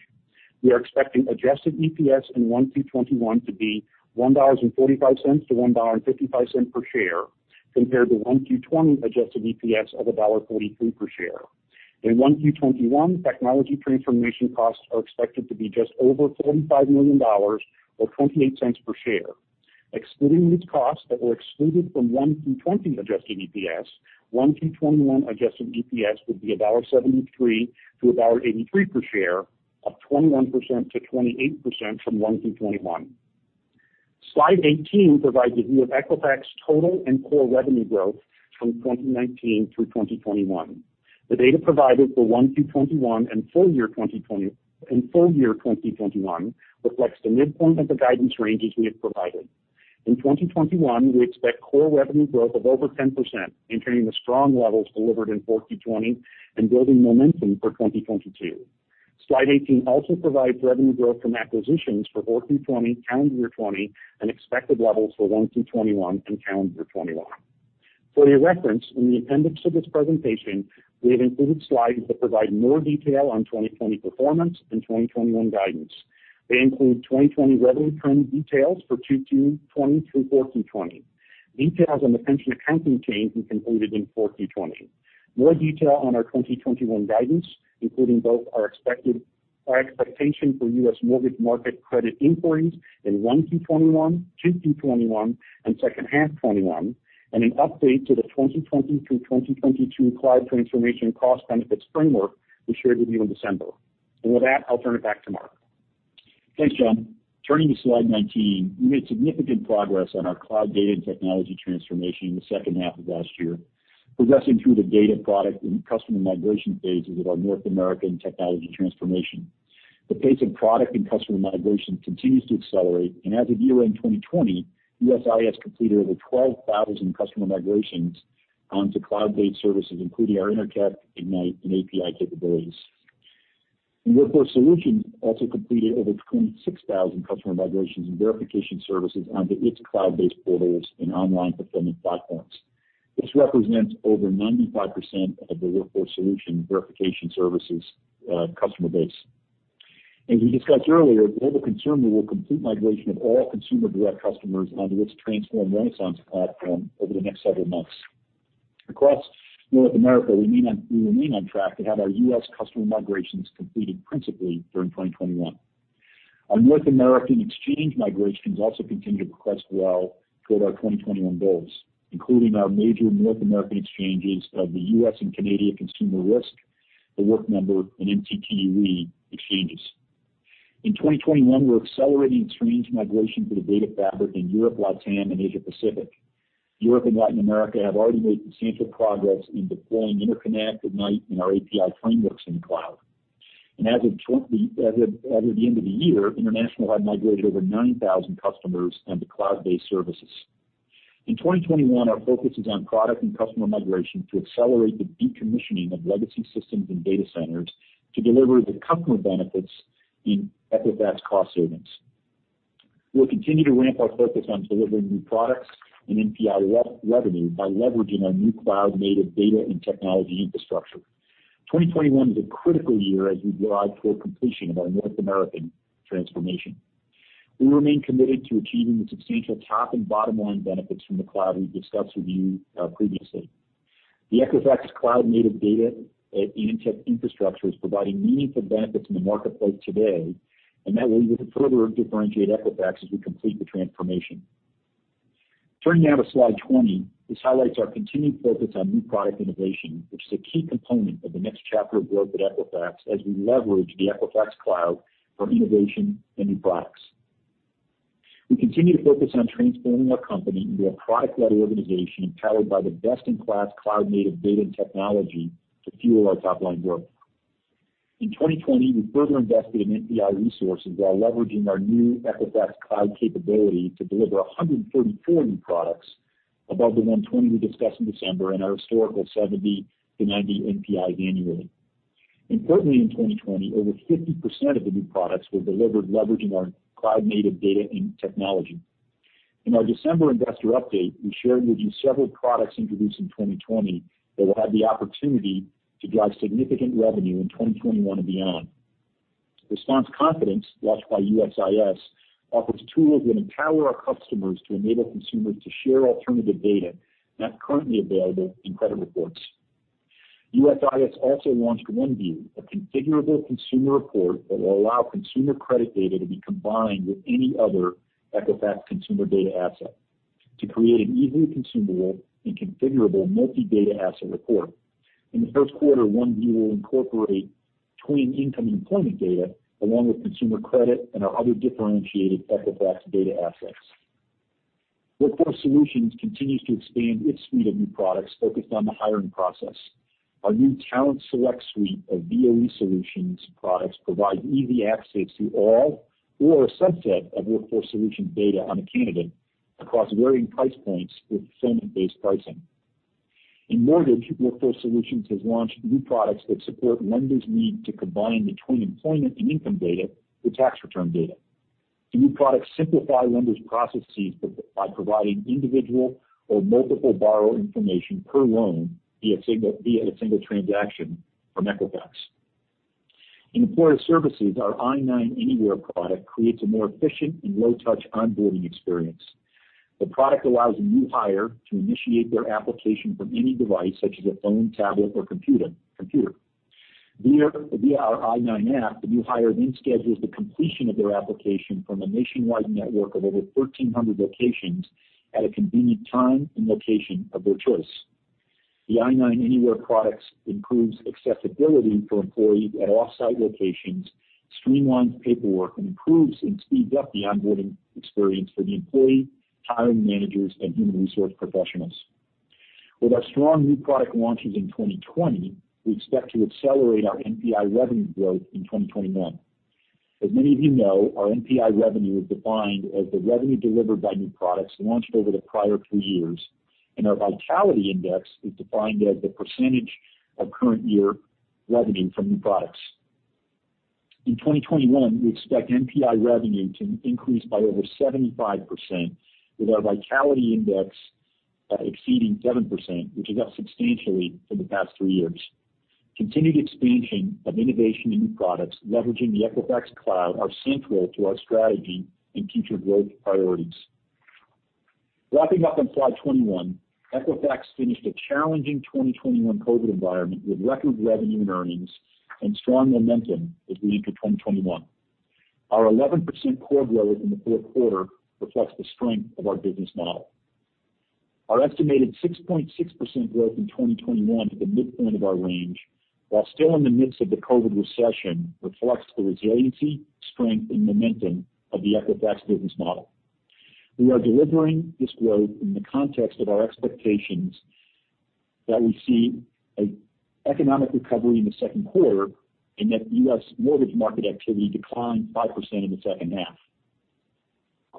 We are expecting Adjusted EPS in Q1 through 2021 to be $1.45-$1.55 per share, compared to Q1 through 2020 Adjusted EPS of $1.43 per share. In Q1 through 2021, technology transformation costs are expected to be just over $45 million or $0.28 per share. Excluding these costs that were excluded from Q1 through 2020 Adjusted EPS, Q1 through 2021 Adjusted EPS would be $1.73-$1.83 per share, up 21%-28% from Q1 through 2021. Slide 18 provides a view of Equifax total and core revenue growth from 2019 through 2021. The data provided for Q1 through 2021 and full year 2021 reflects the midpoint of the guidance ranges we have provided. In 2021, we expect core revenue growth of over 10%, maintaining the strong levels delivered in Q1 through 2020 and building momentum for 2022. Slide 18 also provides revenue growth from acquisitions for Q1 through 2020, calendar year 2020, and expected levels for Q1 through 2021 and calendar year 2021. For your reference, in the appendix to this presentation, we have included slides that provide more detail on 2020 performance and 2021 guidance. They include 2020 revenue trend details for Q2 through 2020 through Q1 through 2020, details on the pension accounting change we concluded in Q1 through 2020, more detail on our 2021 guidance, including both our expectation for U.S. mortgage market credit inquiries in Q1 through 2021, Q2 through 2021, and second half 2021, and an update to the 2020 through 2022 cloud transformation cost benefits framework we shared with you in December. With that, I'll turn it back to Mark. Thanks, John. Turning to slide 19, we made significant progress on our cloud data and technology transformation in the second half of last year, progressing through the data product and customer migration phases of our North American technology transformation. The pace of product and customer migration continues to accelerate, and as of year-end 2020, USIS completed over 12,000 customer migrations onto cloud-based services, including our Interconnect, Ignite, and API capabilities. Workforce Solutions also completed over 26,000 customer migrations and verification services onto its cloud-based portals and online fulfillment platforms. This represents over 95% of the Workforce Solutions verification services customer base. As we discussed earlier, Global Consumer will complete migration of all consumer direct customers onto its Transform Renaissance platform over the next several months. Across North America, we remain on track to have our U.S. customer migrations completed principally during 2021. Our North American exchange migrations also continue to progress well toward our 2021 goals, including our major North American exchanges of the U.S. and Canadian consumer risk, The Work Number, and MCTUE exchanges. In 2021, we're accelerating exchange migration for the data fabric in Europe, Latin America, and Asia Pacific. Europe and Latin America have already made substantial progress in deploying Interconnect, Ignite, and our API frameworks in the cloud. As of the end of the year, International had migrated over 9,000 customers onto cloud-based services. In 2021, our focus is on product and customer migration to accelerate the decommissioning of legacy systems and data centers to deliver the customer benefits in Equifax cost savings. We'll continue to ramp our focus on delivering new products and NPI revenue by leveraging our new cloud-native data and technology infrastructure. 2021 is a critical year as we drive toward completion of our North American transformation. We remain committed to achieving the substantial top and bottom line benefits from the cloud we've discussed with you previously. The Equifax cloud-native data and tech infrastructure is providing meaningful benefits in the marketplace today, and that will further differentiate Equifax as we complete the transformation. Turning now to slide 20, this highlights our continued focus on new product innovation, which is a key component of the next chapter of growth at Equifax as we leverage the Equifax cloud for innovation and new products. We continue to focus on transforming our company into a product-led organization empowered by the best-in-class cloud-native data and technology to fuel our top-line growth. In 2020, we further invested in NPI resources while leveraging our new Equifax Cloud capability to deliver 134 new products above the 120 we discussed in December and our historical 70-90 NPIs annually. Importantly, in 2020, over 50% of the new products were delivered leveraging our cloud-native data and technology. In our December investor update, we shared with you several products introduced in 2020 that will have the opportunity to drive significant revenue in 2021 and beyond. Response Confidence, launched by USIS, offers tools that empower our customers to enable consumers to share alternative data not currently available in credit reports. USIS also launched OneView, a configurable consumer report that will allow consumer credit data to be combined with any other Equifax consumer data asset to create an easily consumable and configurable multi-data asset report. In the first quarter, OneView will incorporate twin income and employment data along with consumer credit and our other differentiated Equifax data assets. Workforce Solutions continues to expand its suite of new products focused on the hiring process. Our new Talent Select suite of VOE solutions products provides easy access to all or a subset of Workforce Solutions data on a candidate across varying price points with fulfillment-based pricing. In mortgage, Workforce Solutions has launched new products that support lenders' need to combine the twin employment and income data with tax return data. The new products simplify lenders' processes by providing individual or multiple borrower information per loan via a single transaction from Equifax. In employer services, our i9 Anywhere product creates a more efficient and low-touch onboarding experience. The product allows a new hire to initiate their application from any device, such as a phone, tablet, or computer. Via our i9 app, the new hire then schedules the completion of their application from a nationwide network of over 1,300 locations at a convenient time and location of their choice. The i9 Anywhere products improves accessibility for employees at off-site locations, streamlines paperwork, and improves and speeds up the onboarding experience for the employee, hiring managers, and human resource professionals. With our strong new product launches in 2020, we expect to accelerate our NPI revenue growth in 2021. As many of you know, our NPI revenue is defined as the revenue delivered by new products launched over the prior three years, and our vitality index is defined as the percentage of current year revenue from new products. In 2021, we expect NPI revenue to increase by over 75%, with our vitality index exceeding 7%, which is up substantially from the past three years. Continued expansion of innovation and new products leveraging the Equifax Cloud are central to our strategy and future growth priorities. Wrapping up on slide 21, Equifax finished a challenging 2021 COVID environment with record revenue and earnings and strong momentum as we entered 2021. Our 11% core growth in the fourth quarter reflects the strength of our business model. Our estimated 6.6% growth in 2021 at the midpoint of our range, while still in the midst of the COVID recession, reflects the resiliency, strength, and momentum of the Equifax business model. We are delivering this growth in the context of our expectations that we see an economic recovery in the second quarter and that U.S. mortgage market activity declined 5% in the second half.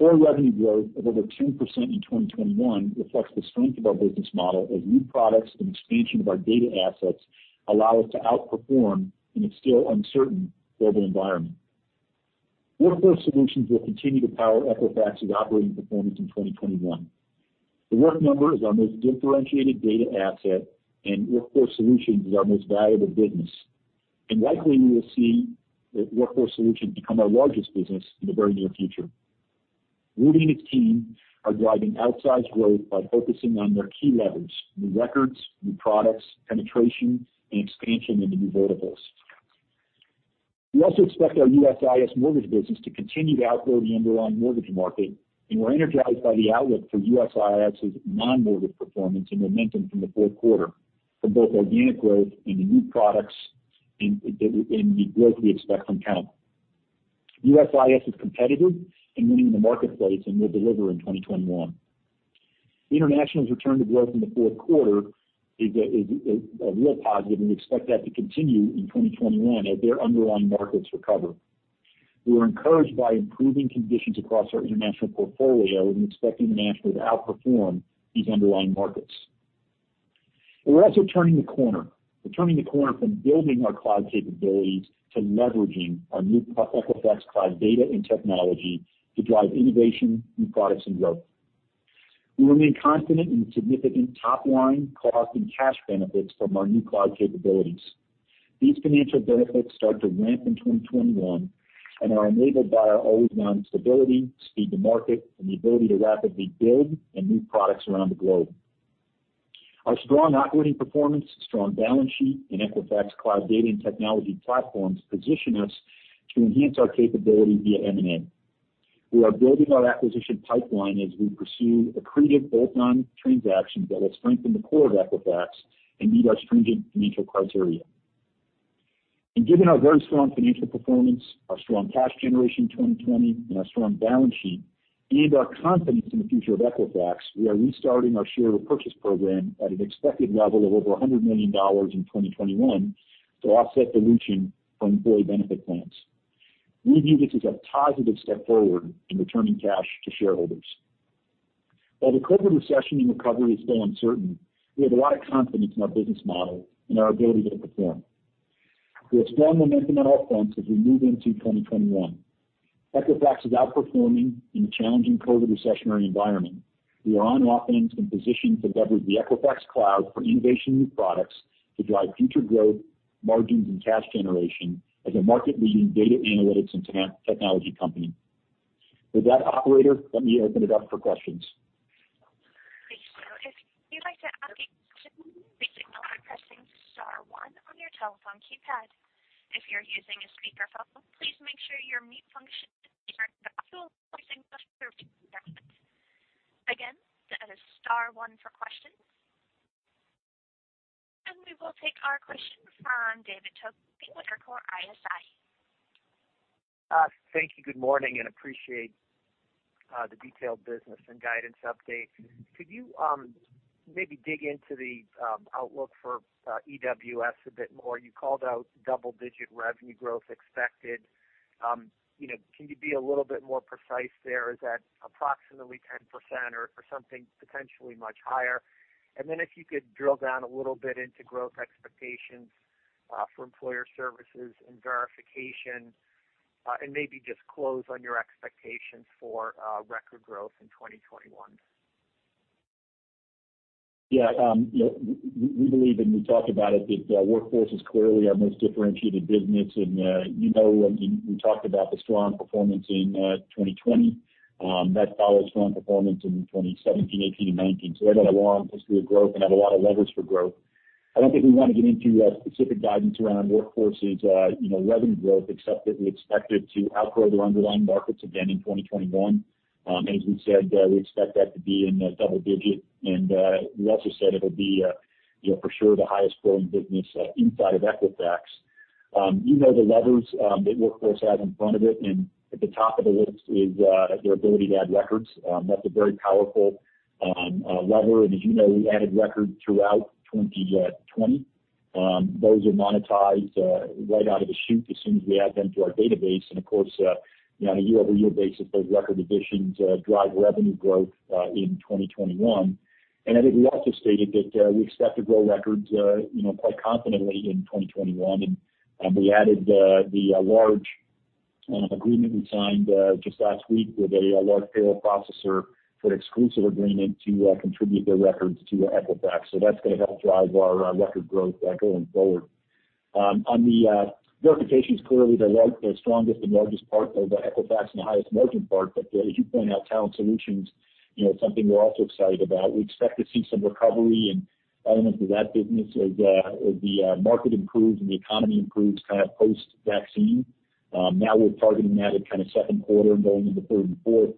Core revenue growth of over 10% in 2021 reflects the strength of our business model as new products and expansion of our data assets allow us to outperform in a still uncertain global environment. Workforce Solutions will continue to power Equifax's operating performance in 2021. The Work Number is our most differentiated data asset, and Workforce Solutions is our most valuable business. Likely, we will see Workforce Solutions become our largest business in the very near future. Rudy and his team are driving outsized growth by focusing on their key levers: new records, new products, penetration, and expansion into new verticals. We also expect our USIS mortgage business to continue to outgrow the underlying mortgage market, and we're energized by the outlook for USIS's non-mortgage performance and momentum from the fourth quarter, from both organic growth and the new products and the growth we expect from talent. USIS is competitive and winning in the marketplace and will deliver in 2021. International's return to growth in the fourth quarter is a real positive, and we expect that to continue in 2021 as their underlying markets recover. We are encouraged by improving conditions across our international portfolio and expecting International to outperform these underlying markets. We're also turning the corner. We're turning the corner from building our cloud capabilities to leveraging our new Equifax Cloud data and technology to drive innovation, new products, and growth. We remain confident in the significant top-line, cost, and cash benefits from our new cloud capabilities. These financial benefits start to ramp in 2021 and are enabled by our always-on stability, speed to market, and the ability to rapidly build and move products around the globe. Our strong operating performance, strong balance sheet, and Equifax Cloud data and technology platforms position us to enhance our capability via M&A. We are building our acquisition pipeline as we pursue accretive bolt-on transactions that will strengthen the core of Equifax and meet our stringent financial criteria. Given our very strong financial performance, our strong cash generation in 2020, our strong balance sheet, and our confidence in the future of Equifax, we are restarting our share repurchase program at an expected level of over $100 million in 2021 to offset dilution from employee benefit plans. We view this as a positive step forward in returning cash to shareholders. While the COVID recession and recovery is still uncertain, we have a lot of confidence in our business model and our ability to perform. We have strong momentum on all fronts as we move into 2021. Equifax is outperforming in the challenging COVID recessionary environment. We are on offense and positioned to leverage the Equifax Cloud for innovation and new products to drive future growth, margins, and cash generation as a market-leading data analytics and technology company. With that, operator, let me open it up for questions. Thank you, John. If you'd like to ask a question, please acknowledge pressing star one on your telephone keypad. If you're using a speakerphone, please make sure your mute function is turned off, so please acknowledge your account. Again, that is star one for questions. We will take our question from David Togut with Evercore ISI. Thank you. Good morning, and appreciate the detailed business and guidance update. Could you maybe dig into the outlook for EWS a bit more? You called out double-digit revenue growth expected. Can you be a little bit more precise there? Is that approximately 10% or something potentially much higher? If you could drill down a little bit into growth expectations for employer services and verification, and maybe just close on your expectations for record growth in 2021. Yeah. We believe, and we talked about it, that Workforce is clearly our most differentiated business. We talked about the strong performance in 2020. That follows strong performance in 2017, 2018, and 2019. We have a long history of growth and have a lot of levers for growth. I don't think we want to get into specific guidance around Workforce's revenue growth, except that we expect it to outgrow their underlying markets again in 2021. As we said, we expect that to be in the double digit. We also said it'll be for sure the highest-growing business inside of Equifax. You know the levers that Workforce has in front of it, and at the top of the list is their ability to add records. That's a very powerful lever. As you know, we added records throughout 2020. Those are monetized right out of the chute as soon as we add them to our database. Of course, on a year-over-year basis, those record additions drive revenue growth in 2021. I think we also stated that we expect to grow records quite confidently in 2021. We added the large agreement we signed just last week with a large payroll processor for an exclusive agreement to contribute their records to Equifax. That is going to help drive our record growth going forward. On the verifications, clearly, the strongest and largest part of Equifax and the highest-margin part, but as you point out, Talent Solutions is something we're also excited about. We expect to see some recovery in elements of that business as the market improves and the economy improves kind of post-vaccine. Now we're targeting that at kind of second quarter and going into third and fourth.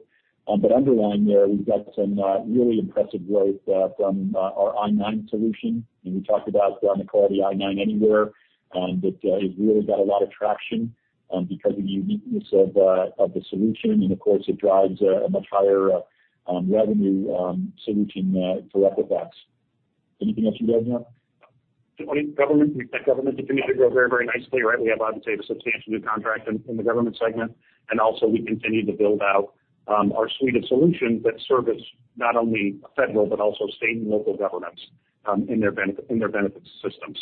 We've got some really impressive growth from our i9 solution. We talked about the McCarthy i9 Anywhere that has really got a lot of traction because of the uniqueness of the solution. Of course, it drives a much higher revenue solution for Equifax. Anything else you'd add, John? Government. We expect government to continue to grow very, very nicely, right? We have, I would say, a substantial new contract in the government segment. We also continue to build out our suite of solutions that service not only federal but also state and local governments in their benefits system.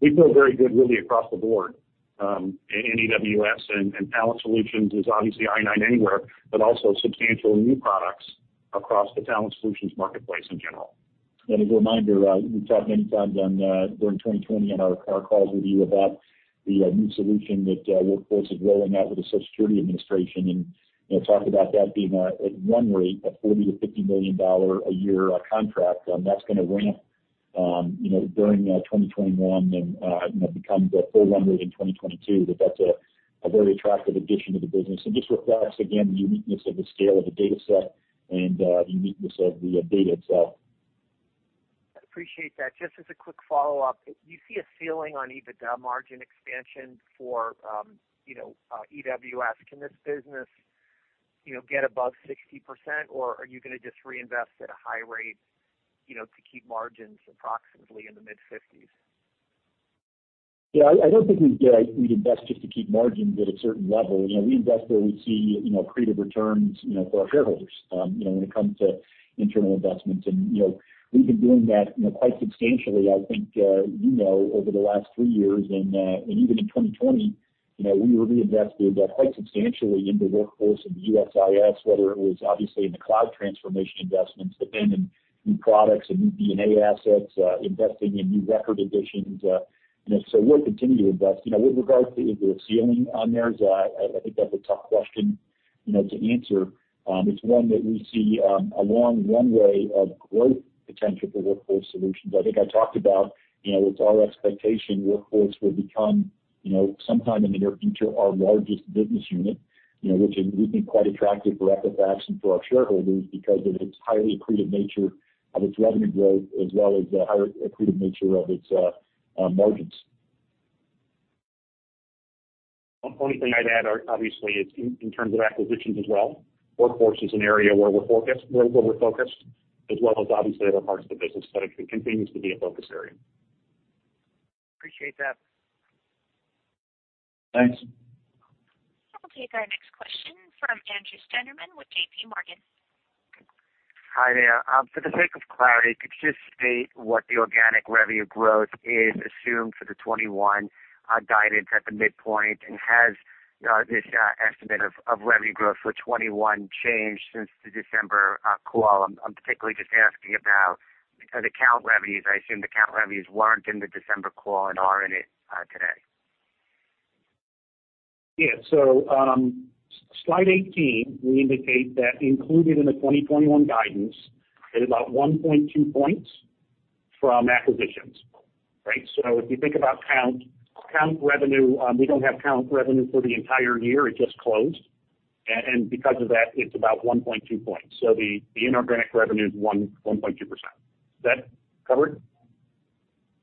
We feel very good really across the board in EWS, and Talent Solutions is obviously i9 Anywhere, but also substantial new products across the Talent Solutions marketplace in general. As a reminder, we've talked many times during 2020 on our calls with you about the new solution that Workforce is rolling out with the Social Security Administration and talked about that being a one-rate, a $40 million-$50 million a year contract. That is going to ramp during 2021 and become the full one-rate in 2022. That is a very attractive addition to the business. It just reflects, again, the uniqueness of the scale of the dataset and the uniqueness of the data itself. I appreciate that. Just as a quick follow-up, you see a ceiling on EBITDA margin expansion for EWS. Can this business get above 60%, or are you going to just reinvest at a high rate to keep margins approximately in the mid-50%? Yeah. I don't think we'd invest just to keep margins at a certain level. We invest where we see accretive returns for our shareholders when it comes to internal investments. And we've been doing that quite substantially. I think you know over the last three years, and even in 2020, we reinvested quite substantially into Workforce and USIS, whether it was obviously in the cloud transformation investments, but then in new products and new DNA assets, investing in new record additions. We'll continue to invest. With regard to is there a ceiling on theirs? I think that's a tough question to answer. It's one that we see a long one-way of growth potential for Workforce Solutions. I think I talked about with our expectation, Workforce will become sometime in the near future our largest business unit, which we think is quite attractive for Equifax and for our shareholders because of its highly accretive nature of its revenue growth as well as the higher accretive nature of its margins. One thing I'd add, obviously, is in terms of acquisitions as well. Workforce is an area where we're focused, as well as obviously other parts of the business, but it continues to be a focus area. Appreciate that. Thanks. We'll take our next question from Andrew Steinerman with JPMorgan. Hi there. For the sake of clarity, could you just state what the organic revenue growth is assumed for the 2021 guidance at the midpoint, and has this estimate of revenue growth for 2021 changed since the December call? I'm particularly just asking about the account revenues. I assume the account revenues weren't in the December call and are in it today. Yeah. Slide 18, we indicate that included in the 2021 guidance is about 1.2 points from acquisitions, right? If you think about account revenue, we do not have account revenue for the entire year. It just closed. Because of that, it is about 1.2 points. The inorganic revenue is 1.2%. Is that covered?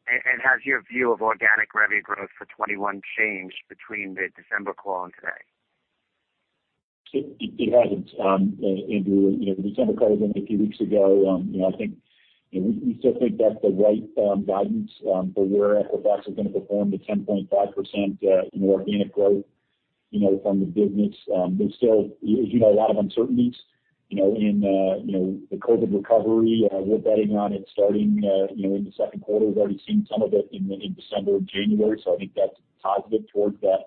Has your view of organic revenue growth for 2021 changed between the December call and today? It hasn't, Andrew. We kind of covered it a few weeks ago. I think we still think that's the right guidance for where Equifax is going to perform, the 10.5% organic growth from the business. There's still, as you know, a lot of uncertainties in the COVID recovery. We're betting on it starting in the second quarter. We've already seen some of it in December and January. I think that's positive towards that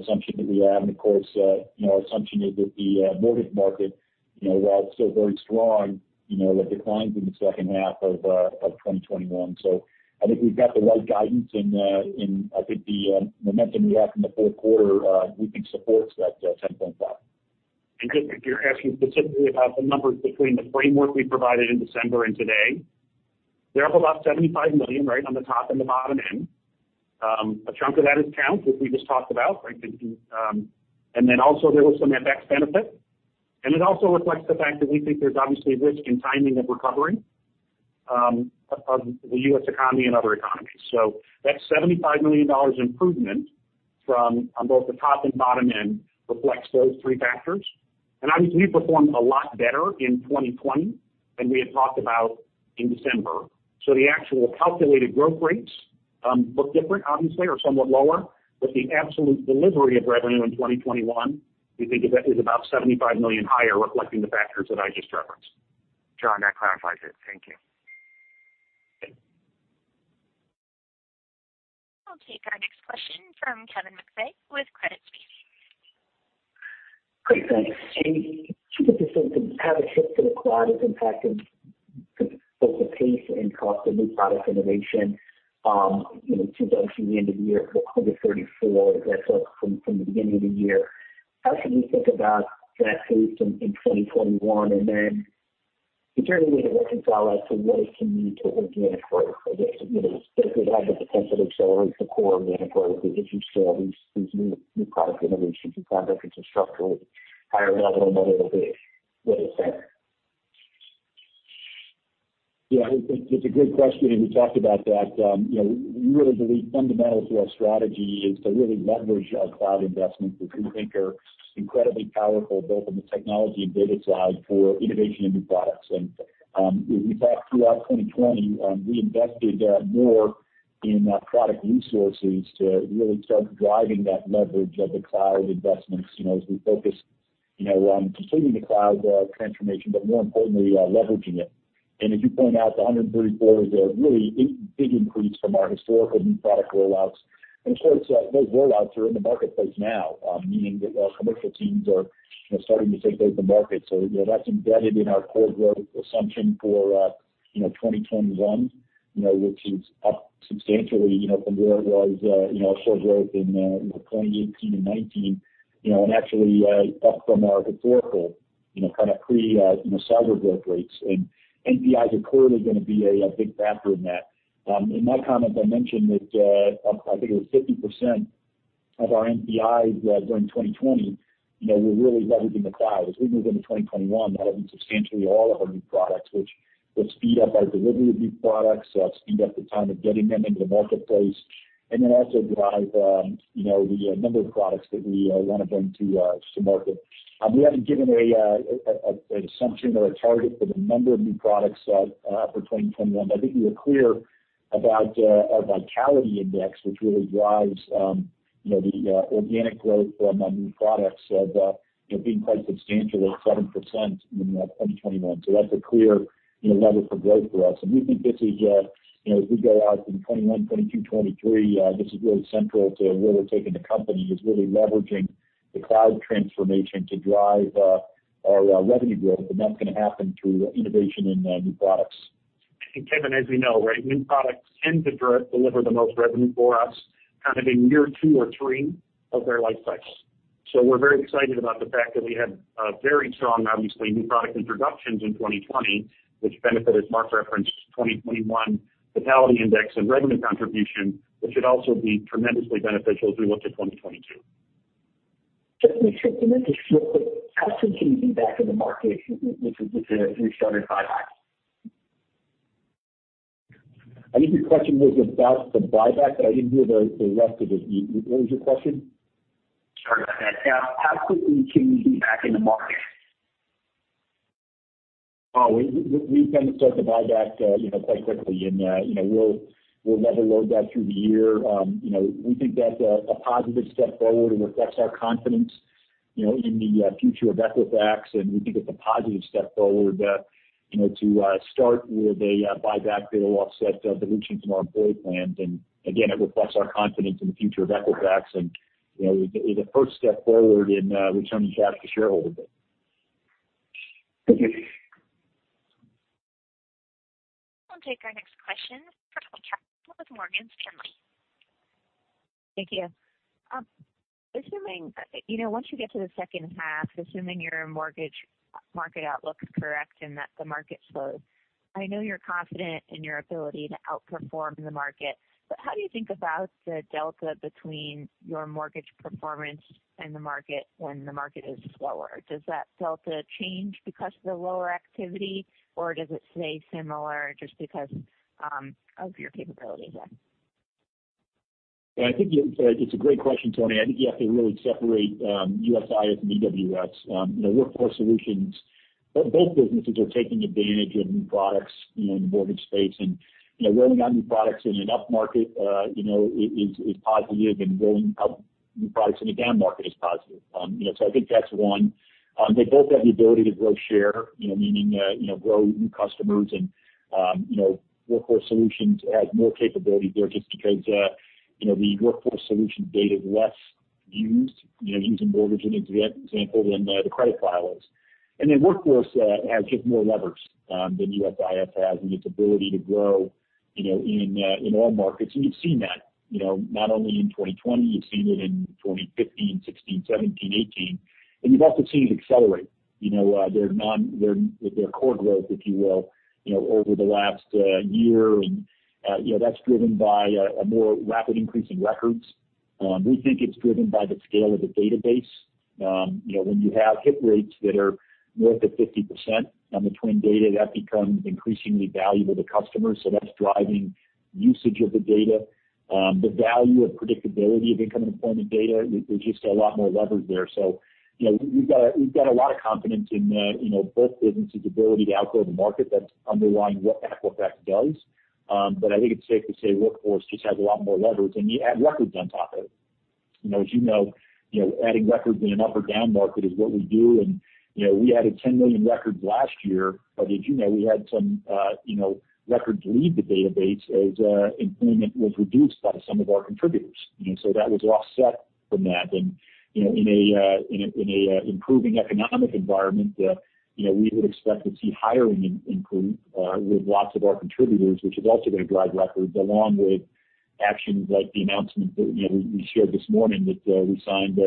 assumption that we have. Of course, our assumption is that the mortgage market, while still very strong, declines in the second half of 2021. I think we've got the right guidance, and I think the momentum we have from the fourth quarter, we think, supports that 10.5%. You're asking specifically about the numbers between the framework we provided in December and today. They're up about $75 million, right, on the top and the bottom end. A chunk of that is account, which we just talked about, right? There was also some FX benefit. It also reflects the fact that we think there's obviously risk in timing of recovering of the U.S. economy and other economies. That $75 million improvement on both the top and bottom end reflects those three factors. Obviously, we performed a lot better in 2020 than we had talked about in December. The actual calculated growth rates look different, obviously, or somewhat lower. The absolute delivery of revenue in 2021, we think, is about $75 million higher, reflecting the factors that I just referenced. John, that clarifies it. Thank you. We'll take our next question from Kevin McVeigh with Credit Suisse. Great. Thanks. If you could just have a chance to describe the impact of both the pace and cost of new product innovation. It seems obviously the end of the year at 134, as I said, from the beginning of the year. How should we think about that pace in 2021? Is there any way to reconcile that to what it can mean to organic growth? I guess, does it have the potential to accelerate the core organic growth as you scale these new product innovations and conduct it to structurally higher level in a little bit? What do you think? Yeah. It's a great question. We talked about that. We really believe fundamental to our strategy is to really leverage our cloud investments, which we think are incredibly powerful both in the technology and data side for innovation and new products. As we saw throughout 2020, we invested more in product resources to really start driving that leverage of the cloud investments as we focus on completing the cloud transformation, but more importantly, leveraging it. As you point out, the 134 is a really big increase from our historical new product rollouts. Of course, those rollouts are in the marketplace now, meaning that commercial teams are starting to take over the market. That is embedded in our core growth assumption for 2021, which is up substantially from where it was, our core growth in 2018 and 2019, and actually up from our historical kind of pre-cyber growth rates. NPIs are clearly going to be a big factor in that. In my comments, I mentioned that I think it was 50% of our NPIs during 2020 were really leveraging the cloud. As we move into 2021, that'll be substantially all of our new products, which will speed up our delivery of new products, speed up the time of getting them into the marketplace, and then also drive the number of products that we want to bring to market. We haven't given an assumption or a target for the number of new products for 2021. I think we were clear about our vitality index, which really drives the organic growth from new products of being quite substantial at 7% in 2021. That is a clear lever for growth for us. We think this is, as we go out in 2021, 2022, 2023, this is really central to where we're taking the company, really leveraging the cloud transformation to drive our revenue growth. That is going to happen through innovation and new products. Kevin, as we know, right, new products tend to deliver the most revenue for us kind of in year two or three of their life cycle. We are very excited about the fact that we have very strong, obviously, new product introductions in 2020, which benefited, Mark referenced, 2021 vitality index and revenue contribution, which should also be tremendously beneficial as we look to 2022. Just a quick question. How soon can we be back in the market with the restarted buyback? I think your question was about the buyback, but I did not hear the rest of it. What was your question? Sorry about that. How quickly can we be back in the market? We intend to start the buyback quite quickly. We will level load that through the year. We think that is a positive step forward. It reflects our confidence in the future of Equifax. We think it's a positive step forward to start with a buyback that will offset dilutions in our employee plans. It reflects our confidence in the future of Equifax and is a first step forward in returning cash to shareholders. Thank you. We'll take our next question from Kevin with Morgan Stanley. Thank you. Assuming once you get to the second half, assuming your mortgage market outlook is correct and that the market slows, I know you're confident in your ability to outperform the market. How do you think about the delta between your mortgage performance and the market when the market is slower? Does that delta change because of the lower activity, or does it stay similar just because of your capabilities? Yeah. I think it's a great question, Kevin. I think you have to really separate USIS and EWS. Workforce Solutions, both businesses are taking advantage of new products in the mortgage space. Rolling out new products in an up market is positive, and rolling out new products in a down market is positive. I think that's one. They both have the ability to grow share, meaning grow new customers. Workforce Solutions has more capability there just because the Workforce Solutions data is less used using mortgage in example than the credit file is. Workforce has just more levers than USIS has in its ability to grow in all markets. You've seen that not only in 2020. You've seen it in 2015, 2016, 2017, 2018. You've also seen it accelerate their core growth, if you will, over the last year. That is driven by a more rapid increase in records. We think it is driven by the scale of the database. When you have hit rates that are north of 50% on the twin data, that becomes increasingly valuable to customers. That is driving usage of the data. The value of predictability of income and employment data, there are just a lot more levers there. We have a lot of confidence in both businesses' ability to outgrow the market. That is underlying what Equifax does. I think it is safe to say Workforce just has a lot more levers and you add records on top of it. As you know, adding records in an up or down market is what we do. We added 10 million records last year. As you know, we had some records leave the database as employment was reduced by some of our contributors. That was offset from that. In an improving economic environment, we would expect to see hiring improve with lots of our contributors, which is also going to drive records along with actions like the announcement that we shared this morning that we signed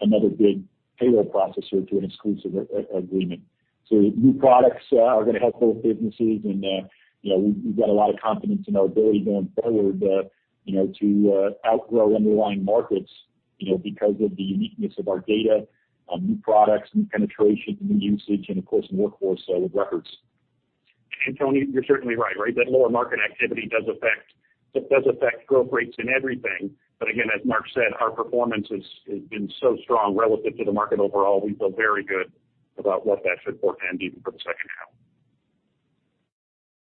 another big payroll processor to an exclusive agreement. New products are going to help both businesses. We have a lot of confidence in our ability going forward to outgrow underlying markets because of the uniqueness of our data, new products, new penetration, new usage, and of course, workforce with records. Kevin, you're certainly right, right? That lower market activity does affect growth rates in everything. Again, as Mark said, our performance has been so strong relative to the market overall. We feel very good about what that should forehand even for the second half.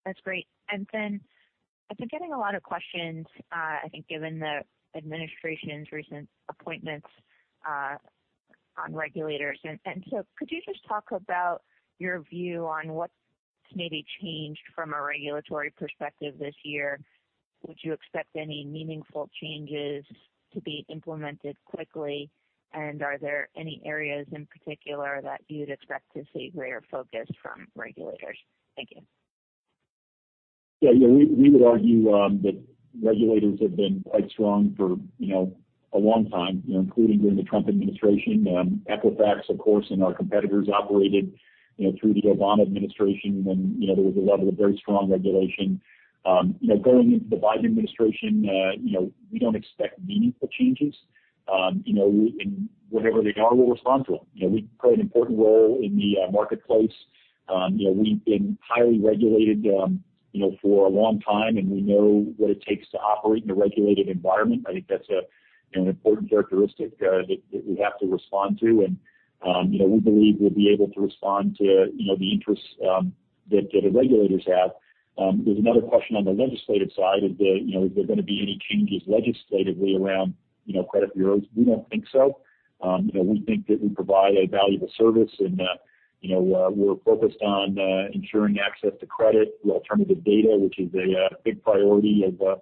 That's great. I have been getting a lot of questions, I think, given the administration's recent appointments on regulators. Could you just talk about your view on what's maybe changed from a regulatory perspective this year? Would you expect any meaningful changes to be implemented quickly? Are there any areas in particular that you'd expect to see greater focus from regulators? Thank you. Yeah. Yeah. We would argue that regulators have been quite strong for a long time, including during the Trump administration. Equifax, of course, and our competitors operated through the Obama administration. There was a level of very strong regulation. Going into the Biden administration, we do not expect meaningful changes. Whatever they are, we will respond to them. We play an important role in the marketplace. We have been highly regulated for a long time, and we know what it takes to operate in a regulated environment. I think that is an important characteristic that we have to respond to. We believe we will be able to respond to the interests that the regulators have. There is another question on the legislative side of is there going to be any changes legislatively around credit bureaus? We do not think so. We think that we provide a valuable service, and we’re focused on ensuring access to credit through alternative data, which is a big priority of the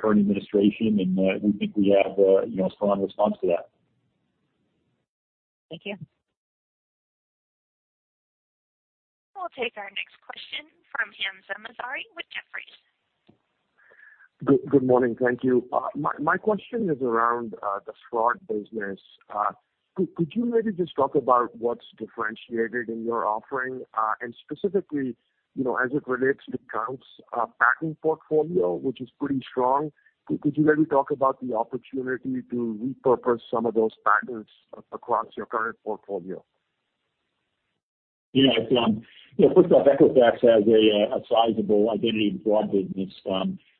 current administration. We think we have a strong response to that. Thank you. We'll take our next question from Hamzah Mazari with Jefferies. Good morning. Thank you. My question is around the fraud business. Could you maybe just talk about what's differentiated in your offering? Specifically, as it relates to accounts, backing portfolio, which is pretty strong. Could you maybe talk about the opportunity to repurpose some of those patterns across your current portfolio? Yeah. First off, Equifax has a sizable identity and fraud business.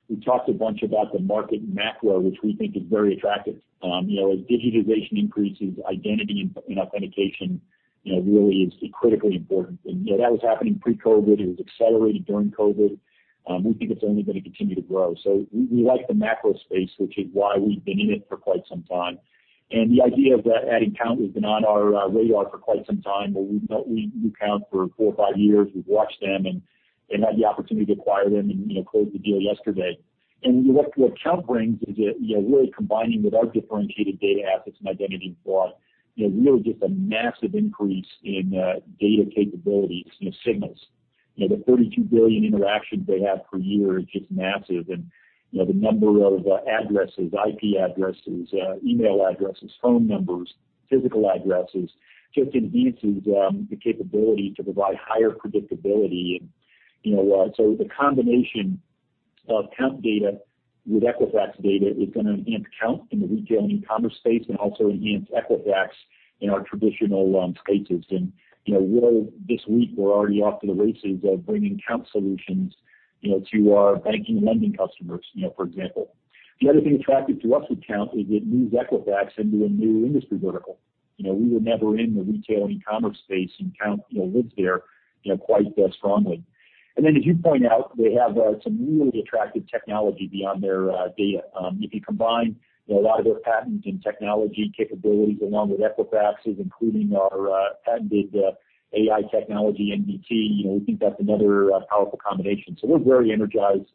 We talked a bunch about the market macro, which we think is very attractive. As digitization increases, identity and authentication really is critically important. That was happening pre-COVID. It was accelerated during COVID. We think it's only going to continue to grow. We like the macro space, which is why we've been in it for quite some time. The idea of adding Count has been on our radar for quite some time. We knew Count for four or five years. We've watched them and had the opportunity to acquire them and close the deal yesterday. What Count brings is really combining with our differentiated data assets and identity and fraud, really just a massive increase in data capabilities, signals. The 32 billion interactions they have per year is just massive. The number of addresses, IP addresses, email addresses, phone numbers, physical addresses just enhances the capability to provide higher predictability. The combination of Count data with Equifax data is going to enhance Count in the retail and e-commerce space and also enhance Equifax in our traditional spaces. This week, we're already off to the races of bringing Count solutions to our banking and lending customers, for example. The other thing attractive to us with Count is it moves Equifax into a new industry vertical. We were never in the retail and e-commerce space, and Count lives there quite strongly. As you point out, they have some really attractive technology beyond their data. If you combine a lot of their patents and technology capabilities along with Equifax's, including our patented AI technology, NVT, we think that's another powerful combination. We're very energized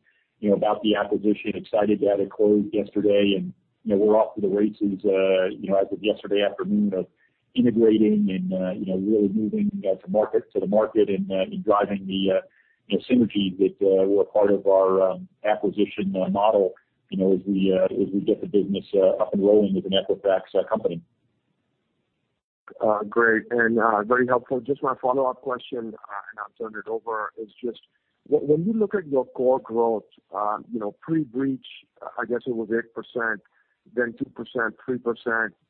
about the acquisition, excited to have it closed yesterday. We're off to the races as of yesterday afternoon of integrating and really moving to the market and driving the synergy that were part of our acquisition model as we get the business up and rolling as an Equifax company. Great. Very helpful. Just my follow-up question, and I'll turn it over, is just when you look at your core growth, pre-Breach, I guess it was 8%, then 2%, 3%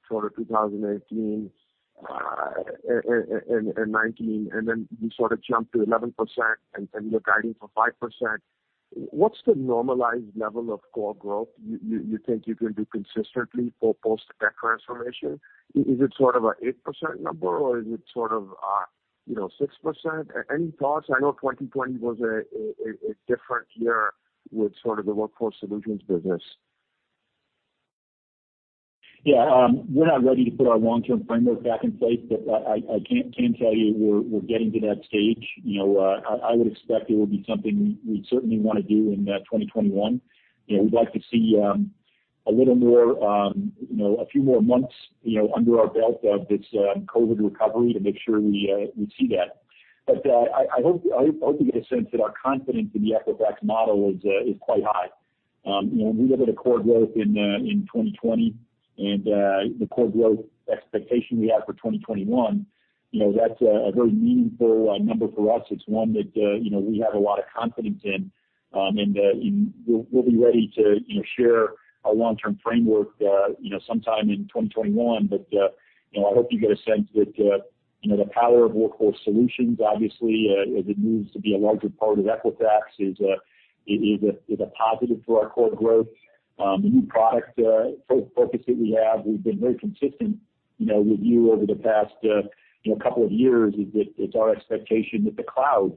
for 2018 and 2019, and then you sort of jumped to 11% and you're guiding for 5%. What's the normalized level of core growth you think you can do consistently for post-tech transformation? Is it sort of an 8% number, or is it sort of 6%? Any thoughts? I know 2020 was a different year with sort of the Workforce Solutions business. Yeah. We're not ready to put our long-term framework back in place, but I can tell you we're getting to that stage. I would expect it will be something we certainly want to do in 2021. We'd like to see a little more, a few more months under our belt of this COVID recovery to make sure we see that. I hope you get a sense that our confidence in the Equifax model is quite high. We look at a core growth in 2020, and the core growth expectation we have for 2021, that's a very meaningful number for us. It's one that we have a lot of confidence in. We'll be ready to share our long-term framework sometime in 2021. I hope you get a sense that the power of Workforce Solutions, obviously, as it moves to be a larger part of Equifax, is a positive for our core growth. The new product focus that we have, we've been very consistent with you over the past couple of years, is that it's our expectation that the cloud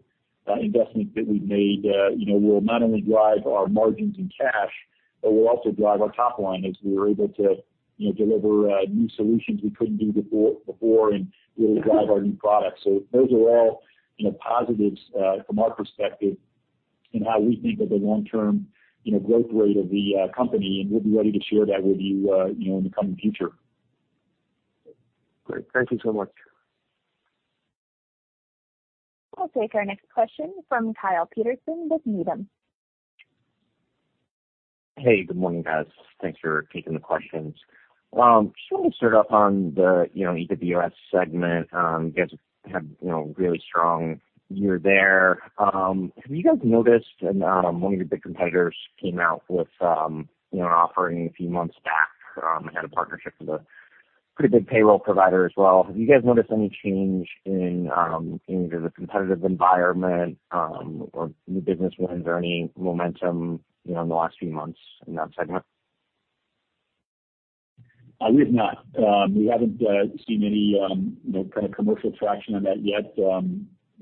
investment that we've made will not only drive our margins and cash, but will also drive our top line as we're able to deliver new solutions we couldn't do before, and it will drive our new products. Those are all positives from our perspective in how we think of the long-term growth rate of the company. We'll be ready to share that with you in the coming future. Great. Thank you so much. We'll take our next question from Kyle Peterson with Needham. Hey, good morning, guys. Thanks for taking the questions. Just wanted to start off on the EWS segment. You guys have had a really strong year there. Have you guys noticed? One of your big competitors came out with an offering a few months back and had a partnership with a pretty big payroll provider as well. Have you guys noticed any change in either the competitive environment or new business wins or any momentum in the last few months in that segment? We have not. We haven't seen any kind of commercial traction on that yet.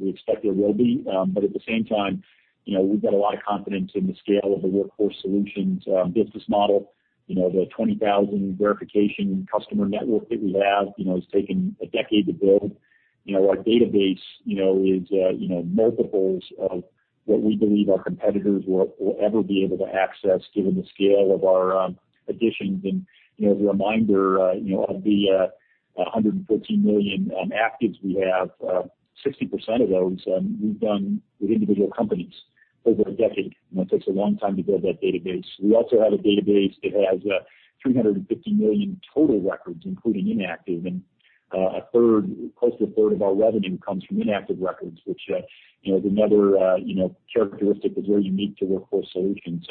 We expect there will be. At the same time, we've got a lot of confidence in the scale of the Workforce Solutions business model. The 20,000 verification customer network that we have has taken a decade to build. Our database is multiples of what we believe our competitors will ever be able to access given the scale of our additions. As a reminder, of the 114 million actives we have, 60% of those we've done with individual companies over a decade. It takes a long time to build that database. We also have a database that has 350 million total records, including inactive. Close to a third of our revenue comes from inactive records, which is another characteristic that's very unique to Workforce Solutions.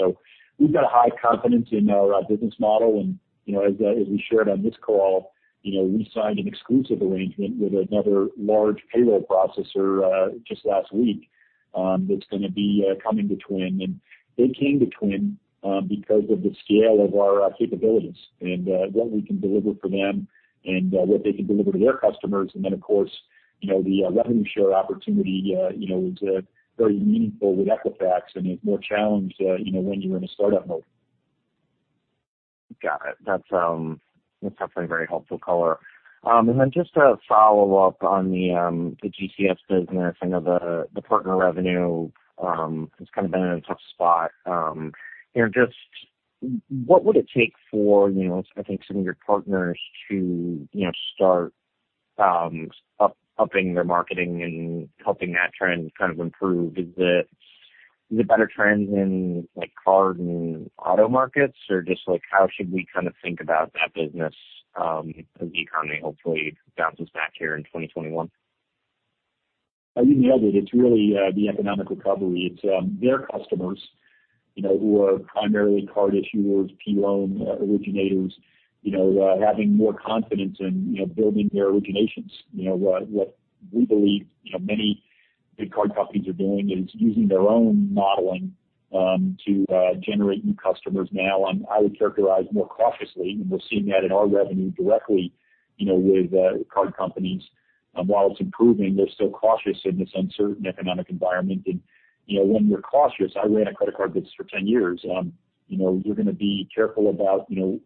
We have high confidence in our business model. As we shared on this call, we signed an exclusive arrangement with another large payroll processor just last week that is going to be coming to Twin. They came to Twin because of the scale of our capabilities and what we can deliver for them and what they can deliver to their customers. Of course, the revenue share opportunity was very meaningful with Equifax and is more challenged when you are in a startup mode. Got it. That's definitely very helpful, color. Just to follow up on the GCS business, I know the partner revenue has kind of been in a tough spot. Just what would it take for, I think, some of your partners to start upping their marketing and helping that trend kind of improve? Is it better trends in card and auto markets, or just how should we kind of think about that business as the economy hopefully bounces back here in 2021? You nailed it. It's really the economic recovery. It's their customers who are primarily card issuers, P1 originators, having more confidence in building their originations. What we believe many big card companies are doing is using their own modeling to generate new customers now. I would characterize more cautiously, and we're seeing that in our revenue directly with card companies. While it's improving, they're still cautious in this uncertain economic environment. When you're cautious, I ran a credit card business for 10 years. You're going to be careful about who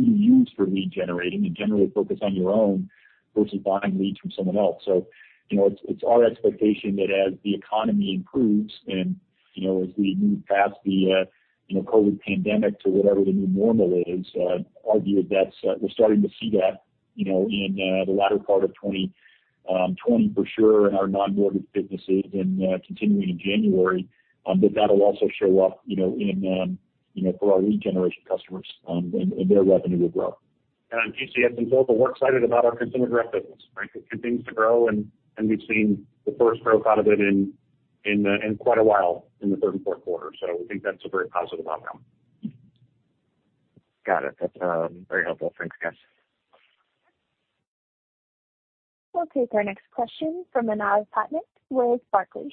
you use for lead generating and generally focus on your own versus buying leads from someone else. It is our expectation that as the economy improves and as we move past the COVID pandemic to whatever the new normal is, our view is that we are starting to see that in the latter part of 2020 for sure in our non-mortgage businesses and continuing in January, that that will also show up for our lead generation customers, and their revenue will grow. GCS in total, we're excited about our consumer direct business. It continues to grow, and we've seen the first growth out of it in quite a while in the third and fourth quarter. We think that's a very positive outcome. Got it. That's very helpful. Thanks, guys. We'll take our next question from Manav Patnaik with Barclays.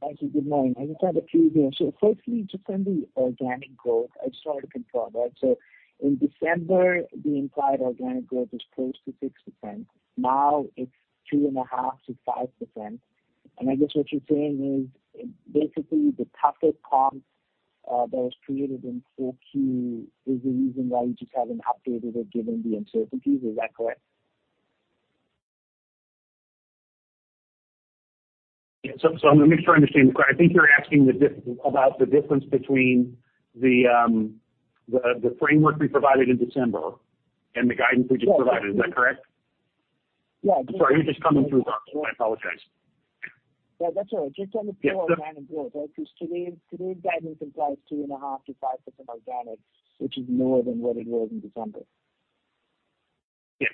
Thank you. Good morning. I just have a few here. Firstly, just on the organic growth, I just wanted to confirm that. In December, the entire organic growth was close to 6%. Now it is 2.5%-5%. I guess what you are saying is basically the toughest comp that was created in Q4 is the reason why you just have not updated it given the uncertainties. Is that correct? Yeah. Let me try and understand. I think you're asking about the difference between the framework we provided in December and the guidance we just provided. Is that correct? Yeah. Sorry, you're just coming through, guys. I apologize. Yeah, that's right. Just on the pure organic growth, right? Because today's guidance implies 2.5-5% organic, which is more than what it was in December. Yeah.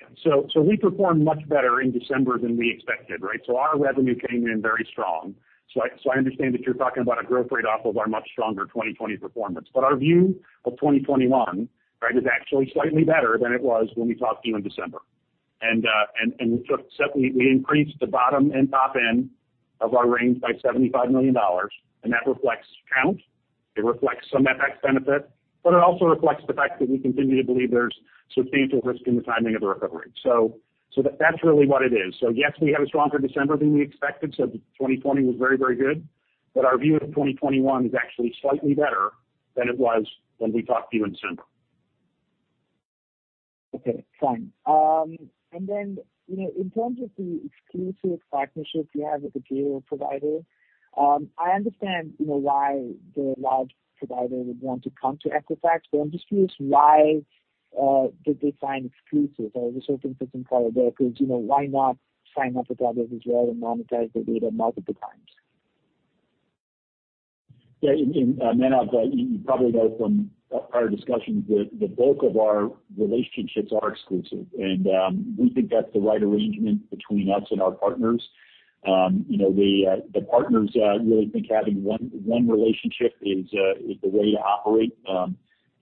We performed much better in December than we expected, right? Our revenue came in very strong. I understand that you're talking about a growth rate off of our much stronger 2020 performance. Our view of 2021, right, is actually slightly better than it was when we talked to you in December. We increased the bottom and top end of our range by $75 million. That reflects count. It reflects some FX benefit. It also reflects the fact that we continue to believe there's substantial risk in the timing of the recovery. That's really what it is. Yes, we had a stronger December than we expected. 2020 was very, very good. Our view of 2021 is actually slightly better than it was when we talked to you in December. Okay. Fine. In terms of the exclusive partnership you have with the payroll provider, I understand why the large provider would want to come to Equifax. I'm just curious, why did they sign exclusive? I was just hoping for some color there because why not sign up with others as well and monetize their data multiple times? Yeah. Manav, you probably know from our discussions that the bulk of our relationships are exclusive. We think that's the right arrangement between us and our partners. The partners really think having one relationship is the way to operate.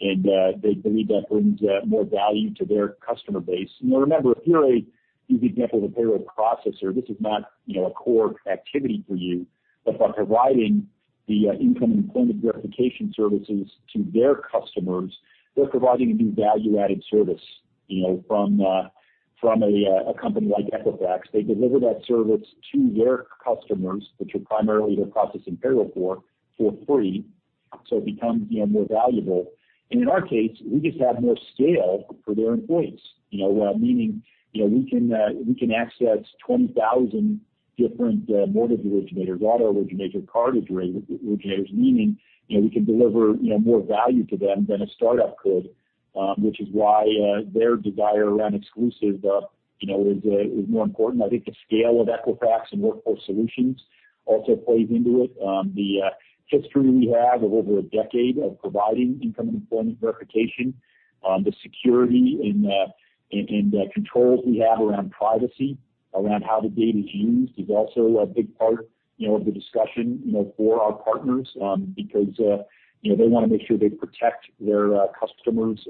They believe that brings more value to their customer base. Remember, if you're a—this is an example of a payroll processor—this is not a core activity for you. By providing the incoming employment verification services to their customers, they're providing a new value-added service from a company like Equifax. They deliver that service to their customers, which are primarily they're processing payroll for, for free. It becomes more valuable. In our case, we just have more scale for their employees, meaning we can access 20,000 different mortgage originators, auto originators, card originators, meaning we can deliver more value to them than a startup could, which is why their desire around exclusive is more important. I think the scale of Equifax and Workforce Solutions also plays into it. The history we have of over a decade of providing incoming employment verification, the security and controls we have around privacy, around how the data is used, is also a big part of the discussion for our partners because they want to make sure they protect their customers'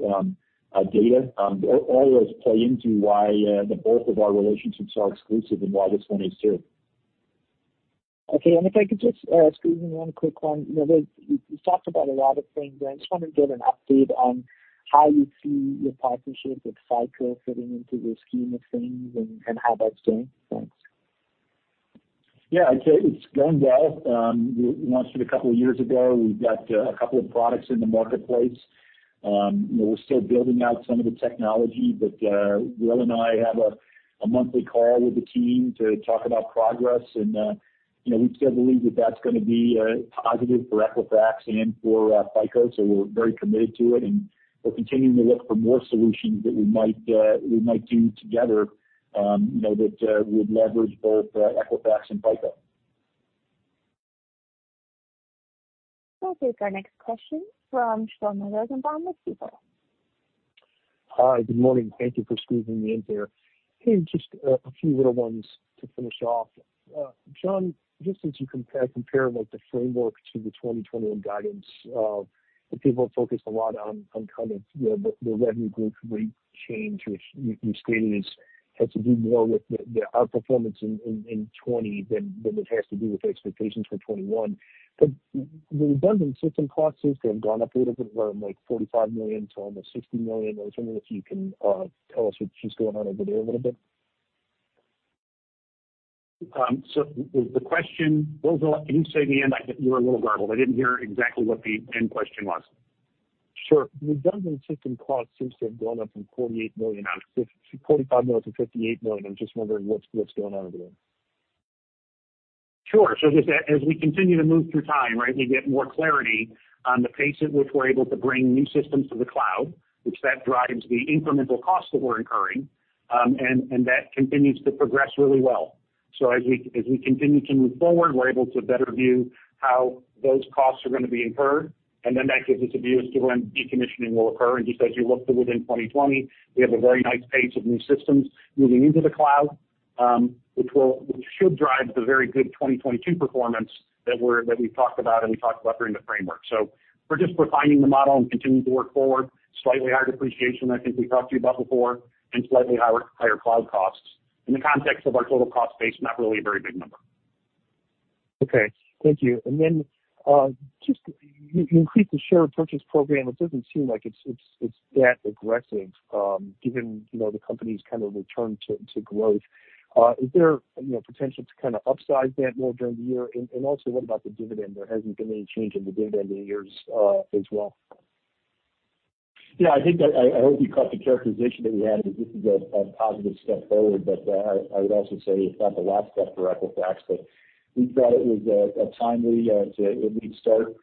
data. All those play into why the bulk of our relationships are exclusive and why this one is too. Okay. If I could just squeeze in one quick one. You have talked about a lot of things, but I just wanted to get an update on how you see your partnership with FICO fitting into your scheme of things and how that is going. Thanks. Yeah. It's going well. We launched it a couple of years ago. We've got a couple of products in the marketplace. We're still building out some of the technology, but Will and I have a monthly call with the team to talk about progress. We still believe that that's going to be positive for Equifax and for FICO. We are very committed to it. We're continuing to look for more solutions that we might do together that would leverage both Equifax and FICO. We'll take our next question from Sean Rogers at Barnwood. Hi. Good morning. Thank you for squeezing me in here. Hey, just a few little ones to finish off. Sean, just as you compare the framework to the 2021 guidance, people have focused a lot on kind of the revenue growth rate change, which you stated has to do more with the outperformance in 2020 than it has to do with expectations for 2021. But the redundancy, it's impossible to have gone up a little bit from like $45 million to almost $60 million. I was wondering if you can tell us what's just going on over there a little bit. The question was—can you say the end? You were a little garbled. I did not hear exactly what the end question was. Sure. The redundant systems costs seem to have gone up from $48 million or $45 million to $58 million. I'm just wondering what's going on over there. Sure. Just as we continue to move through time, right, we get more clarity on the pace at which we're able to bring new systems to the cloud, which drives the incremental costs that we're incurring. That continues to progress really well. As we continue to move forward, we're able to better view how those costs are going to be incurred. That gives us a view as to when decommissioning will occur. Just as you looked at within 2020, we have a very nice pace of new systems moving into the cloud, which should drive the very good 2022 performance that we've talked about and we talked about during the framework. We're just refining the model and continuing to work forward, slightly higher depreciation than I think we talked to you about before, and slightly higher cloud costs in the context of our total cost base, not really a very big number. Okay. Thank you. Just, you increased the share repurchase program. It does not seem like it is that aggressive given the company's kind of return to growth. Is there potential to kind of upsize that more during the year? Also, what about the dividend? There has not been any change in the dividend in years as well. Yeah. I hope you caught the characterization that we had, and this is a positive step forward. I would also say it's not the last step for Equifax, but we thought it was timely to at least start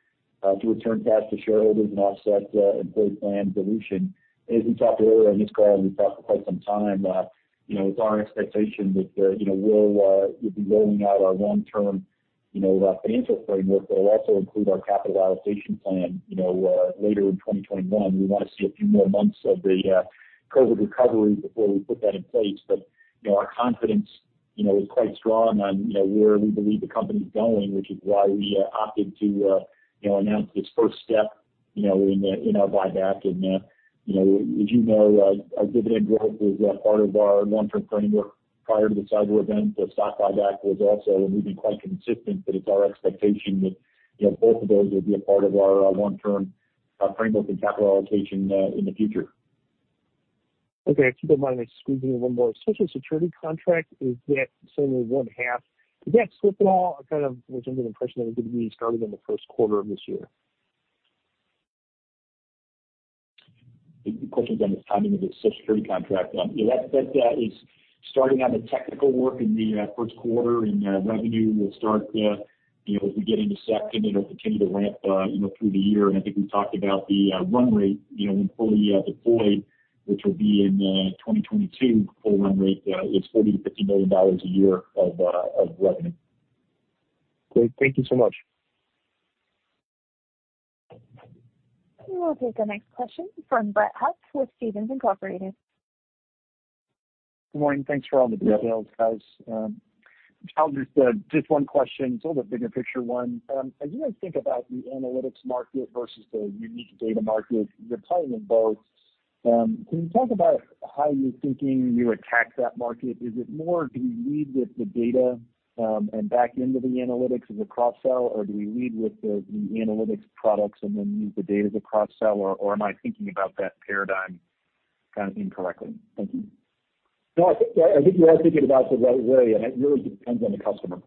to return cash to shareholders and offset employee plan dilution. As we talked earlier, I think, Karl, we've talked for quite some time. It's our expectation that we'll be rolling out our long-term financial framework that will also include our capital allocation plan later in 2021. We want to see a few more months of the COVID recovery before we put that in place. Our confidence is quite strong on where we believe the company's going, which is why we opted to announce this first step in our buyback. As you know, our dividend growth was part of our long-term framework prior to the cyber event. The stock buyback was also, and we've been quite consistent that it's our expectation that both of those will be a part of our long-term framework and capital allocation in the future. Okay. Keep in mind, I'm squeezing you one more. Social Security contract is yet certainly one half. Does that slip at all? I kind of was under the impression that it was going to be started in the first quarter of this year. The question's on the timing of the Social Security contract. That is starting on the technical work in the first quarter, and revenue will start as we get into second. It'll continue to ramp through the year. I think we talked about the run rate when fully deployed, which will be in 2022. Full run rate is $40 million-$50 million a year of revenue. Great. Thank you so much. We will take our next question from Brett Huff with Stephens Incorporated. Good morning. Thanks for all the details, guys. I'll just—just one question. It's a little bit bigger picture one. As you guys think about the analytics market versus the unique data market, you're playing in both. Can you talk about how you're thinking you attack that market? Is it more do we lead with the data and back into the analytics as a cross-sell, or do we lead with the analytics products and then use the data as a cross-sell, or am I thinking about that paradigm kind of incorrectly? Thank you. No, I think you are thinking about the right way, and it really depends on the customer.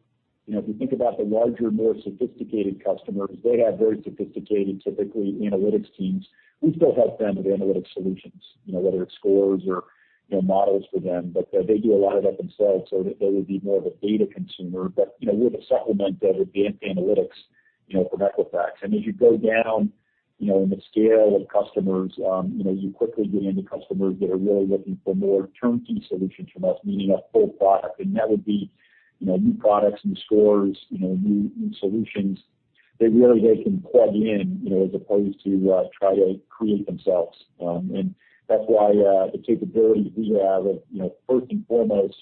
If you think about the larger, more sophisticated customers, they have very sophisticated, typically, analytics teams. We still help them with analytics solutions, whether it is scores or models for them. They do a lot of that themselves, so they would be more of a data consumer. We are the supplement of the analytics from Equifax. As you go down in the scale of customers, you quickly get into customers that are really looking for more turnkey solutions from us, meaning a full product. That would be new products, new scores, new solutions. They really can plug in as opposed to try to create themselves. That is why the capability we have of, first and foremost,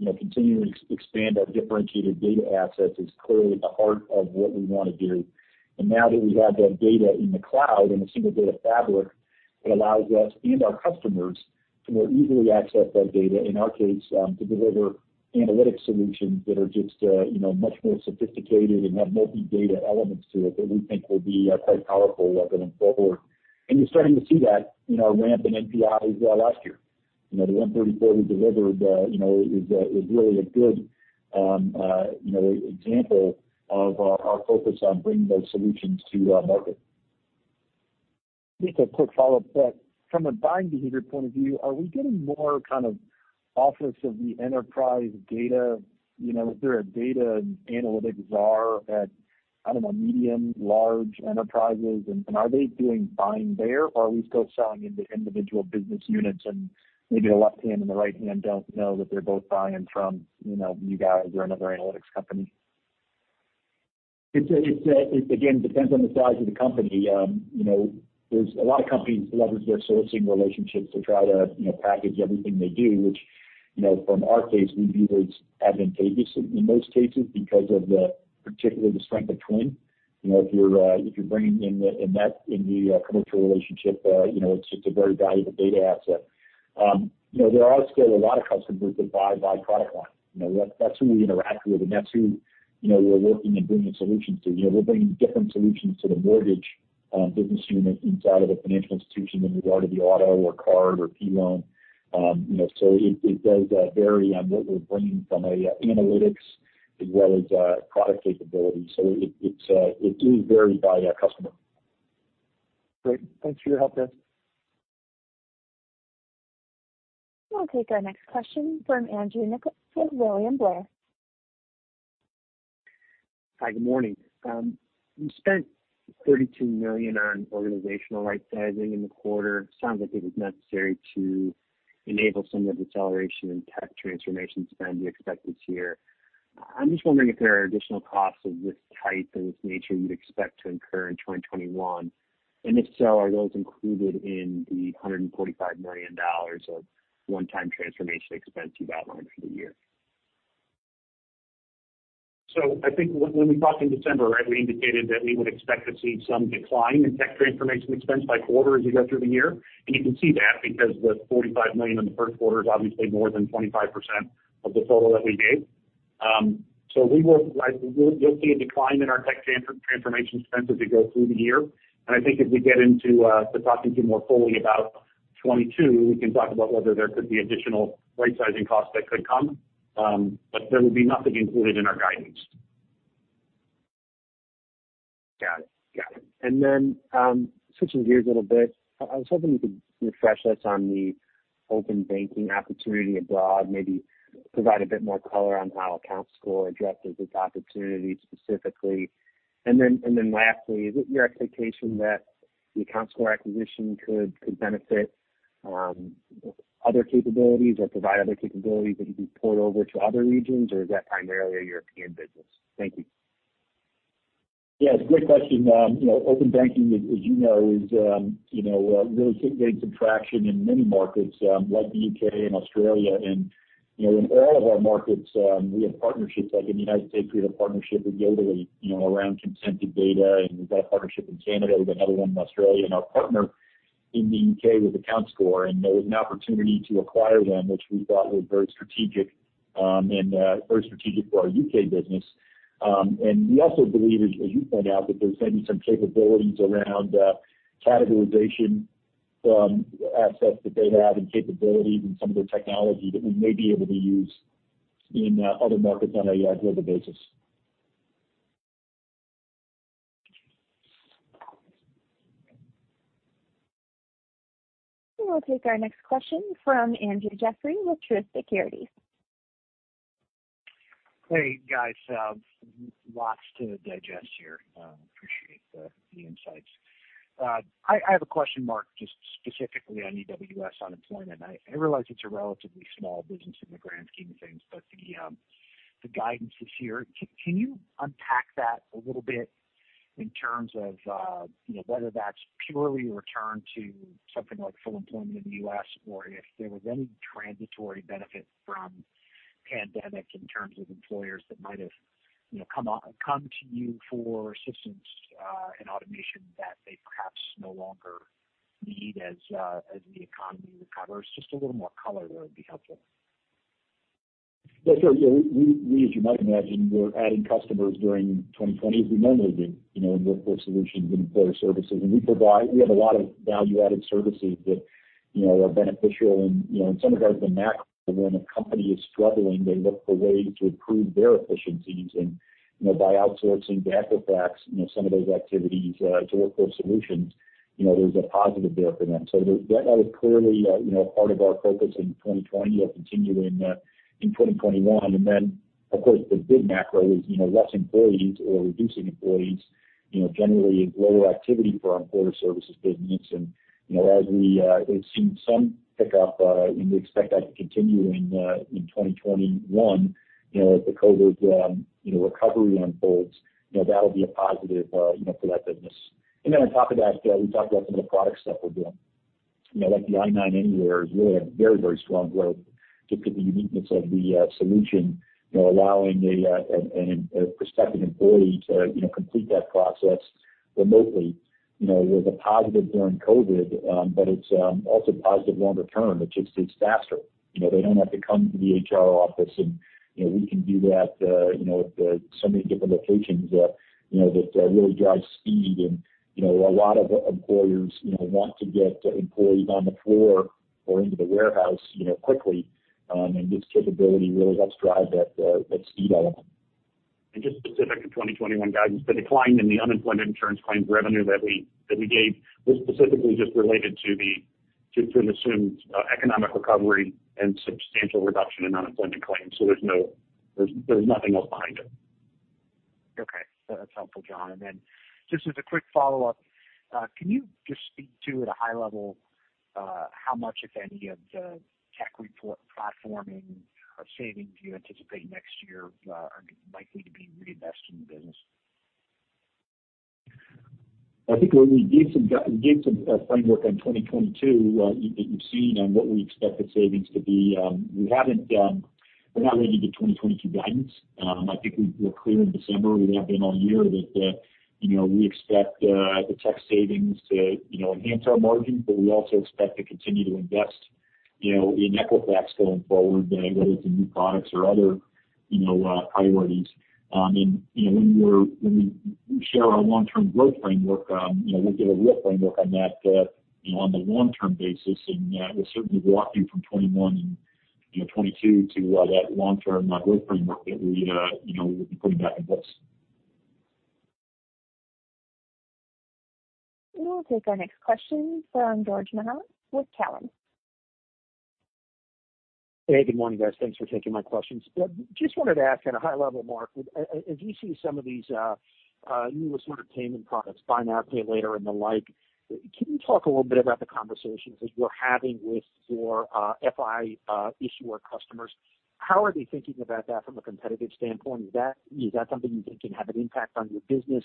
continuing to expand our differentiated data assets is clearly at the heart of what we want to do. Now that we have that data in the cloud in a single data fabric, it allows us and our customers to more easily access that data, in our case, to deliver analytics solutions that are just much more sophisticated and have multi-data elements to it that we think will be quite powerful going forward. You are starting to see that in our ramp in NPI last year. The 134 we delivered is really a good example of our focus on bringing those solutions to market. Just a quick follow-up to that. From a buying behavior point of view, are we getting more kind of office of the enterprise data? Is there a data analytics czar at, I don't know, medium, large enterprises? And are they doing buying there, or are we still selling into individual business units? Maybe the left hand and the right hand don't know that they're both buying from you guys or another analytics company. It again depends on the size of the company. There's a lot of companies leverage their sourcing relationships to try to package everything they do, which from our case, we view as advantageous in most cases because of particularly the strength of Twin. If you're bringing in that in the commercial relationship, it's just a very valuable data asset. There are still a lot of customers that buy by product line. That's who we interact with, and that's who we're working and bringing solutions to. We're bringing different solutions to the mortgage business unit inside of a financial institution than we are to the auto or card or P loan. It does vary on what we're bringing from an analytics as well as product capability. It is varied by customer. Great. Thanks for your help there. We'll take our next question from Andrew Nicholas with William Blair. Hi. Good morning. We spent $32 million on organizational right-sizing in the quarter. Sounds like it was necessary to enable some of the acceleration in tech transformation spend you expect this year. I'm just wondering if there are additional costs of this type and this nature you'd expect to incur in 2021. If so, are those included in the $145 million of one-time transformation expense you've outlined for the year? I think when we talked in December, right, we indicated that we would expect to see some decline in tech transformation expense by quarter as you go through the year. You can see that because the $45 million in the first quarter is obviously more than 25% of the total that we gave. You'll see a decline in our tech transformation expense as we go through the year. I think if we get into talking to you more fully about 2022, we can talk about whether there could be additional right-sizing costs that could come. There would be nothing included in our guidance. Got it. Got it. Switching gears a little bit, I was hoping you could refresh us on the open banking opportunity abroad, maybe provide a bit more color on how AccountScore addresses this opportunity specifically. Lastly, is it your expectation that the AccountScore acquisition could benefit other capabilities or provide other capabilities that you could port over to other regions, or is that primarily a European business? Thank you. Yeah. It's a great question. Open banking, as you know, is really getting some traction in many markets like the U.K. and Australia. In all of our markets, we have partnerships. Like in the United States, we have a partnership with Yodlee around consented data, and we've got a partnership in Canada. We've got another one in Australia. Our partner in the U.K. was AccountScore, and there was an opportunity to acquire them, which we thought was very strategic and very strategic for our U.K. business. We also believe, as you point out, that there's maybe some capabilities around categorization assets that they have and capabilities and some of their technology that we may be able to use in other markets on a global basis. We will take our next question from Andrew Jeffrey with Truist Securities. Hey, guys. Lots to digest here. Appreciate the insights. I have a question mark just specifically on EWS on employment. I realize it's a relatively small business in the grand scheme of things, but the guidance is here. Can you unpack that a little bit in terms of whether that's purely a return to something like full employment in the U.S., or if there was any transitory benefit from the pandemic in terms of employers that might have come to you for assistance and automation that they perhaps no longer need as the economy recovers? Just a little more color there would be helpful. Yeah. Sure. Yeah. We, as you might imagine, were adding customers during 2020 as we normally do in Workforce Solutions and employer services. And we have a lot of value-added services that are beneficial. Some of ours have been natural when a company is struggling, they look for ways to improve their efficiencies and by outsourcing to Equifax some of those activities to Workforce Solutions, there is a positive there for them. That was clearly a part of our focus in 2020. It will continue in 2021. Of course, the big macro is less employees or reducing employees generally is lower activity for our employer services business. As we have seen some pickup, and we expect that to continue in 2021 as the COVID recovery unfolds, that will be a positive for that business. On top of that, we talked about some of the product stuff we're doing. Like the i9 Anywhere is really a very, very strong growth just because of the uniqueness of the solution, allowing a prospective employee to complete that process remotely was a positive during COVID, but it's also positive longer term that just is faster. They don't have to come to the HR office, and we can do that at so many different locations that really drives speed. A lot of employers want to get employees on the floor or into the warehouse quickly, and this capability really helps drive that speed element. Just specific to 2021, guys, it's the decline in the unemployment insurance claims revenue that we gave was specifically just related to the assumed economic recovery and substantial reduction in unemployment claims. There's nothing else behind it. Okay. That's helpful, John. Just as a quick follow-up, can you just speak to, at a high level, how much, if any, of the tech report platforming or savings do you anticipate next year are likely to be reinvested in the business? I think when we gave some framework in 2022 that you've seen on what we expected savings to be, we're not ready to do 2022 guidance. I think we were clear in December. We have been all year that we expect the tech savings to enhance our margins, but we also expect to continue to invest in Equifax going forward, whether it's in new products or other priorities. When we share our long-term growth framework, we'll give a real framework on that on the long-term basis, and we'll certainly walk you from 2021 and 2022 to that long-term growth framework that we will be putting back in place. We will take our next question from George Mahal with Kellen. Hey. Good morning, guys. Thanks for taking my questions. Just wanted to ask at a high level, Mark, as you see some of these newer sort of payment products, buy now, pay later, and the like, can you talk a little bit about the conversations that you're having with your FI issuer customers? How are they thinking about that from a competitive standpoint? Is that something you think can have an impact on your business,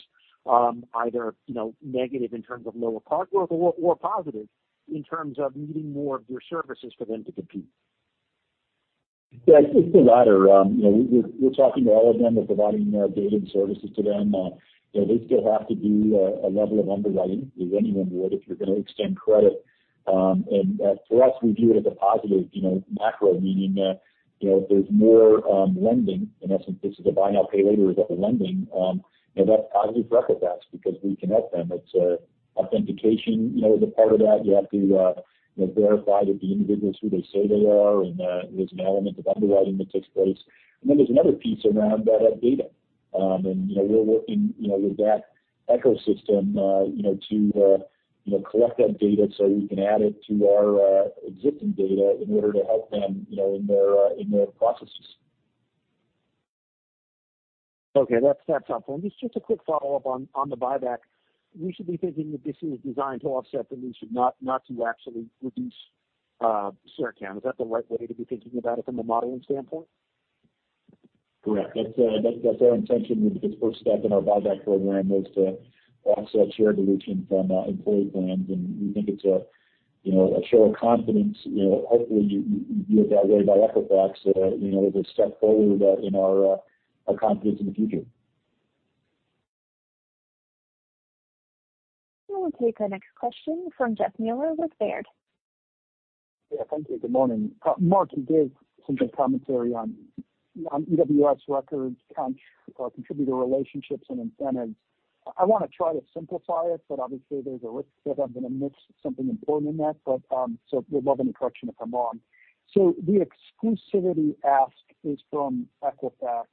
either negative in terms of lower cost growth or positive in terms of needing more of your services for them to compete? Yeah. It's the latter. We're talking to all of them and providing data and services to them. They still have to do a level of underwriting as anyone would if you're going to extend credit. For us, we view it as a positive macro, meaning if there's more lending, in essence, this is a buy now, pay later as a lending, that's positive for Equifax because we can help them. It's authentication as a part of that. You have to verify that the individual is who they say they are, and there's an element of underwriting that takes place. Then there's another piece around that data. We're working with that ecosystem to collect that data so we can add it to our existing data in order to help them in their processes. Okay. That's helpful. Just a quick follow-up on the buyback. We should be thinking that this is designed to offset the lease, not to actually reduce share count. Is that the right way to be thinking about it from a modeling standpoint? Correct. That's our intention. The first step in our buyback program was to offset share dilution from employee plans. We think it's a show of confidence. Hopefully, you view it that way by Equifax as a step forward in our confidence in the future. We will take our next question from Jeff Meuler with Baird. Yeah. Thank you. Good morning. Mark, you gave some good commentary on EWS records, contributor relationships, and incentives. I want to try to simplify it, but obviously, there's a risk that I'm going to miss something important in that. We'd love any correction if I'm wrong. The exclusivity ask is from Equifax.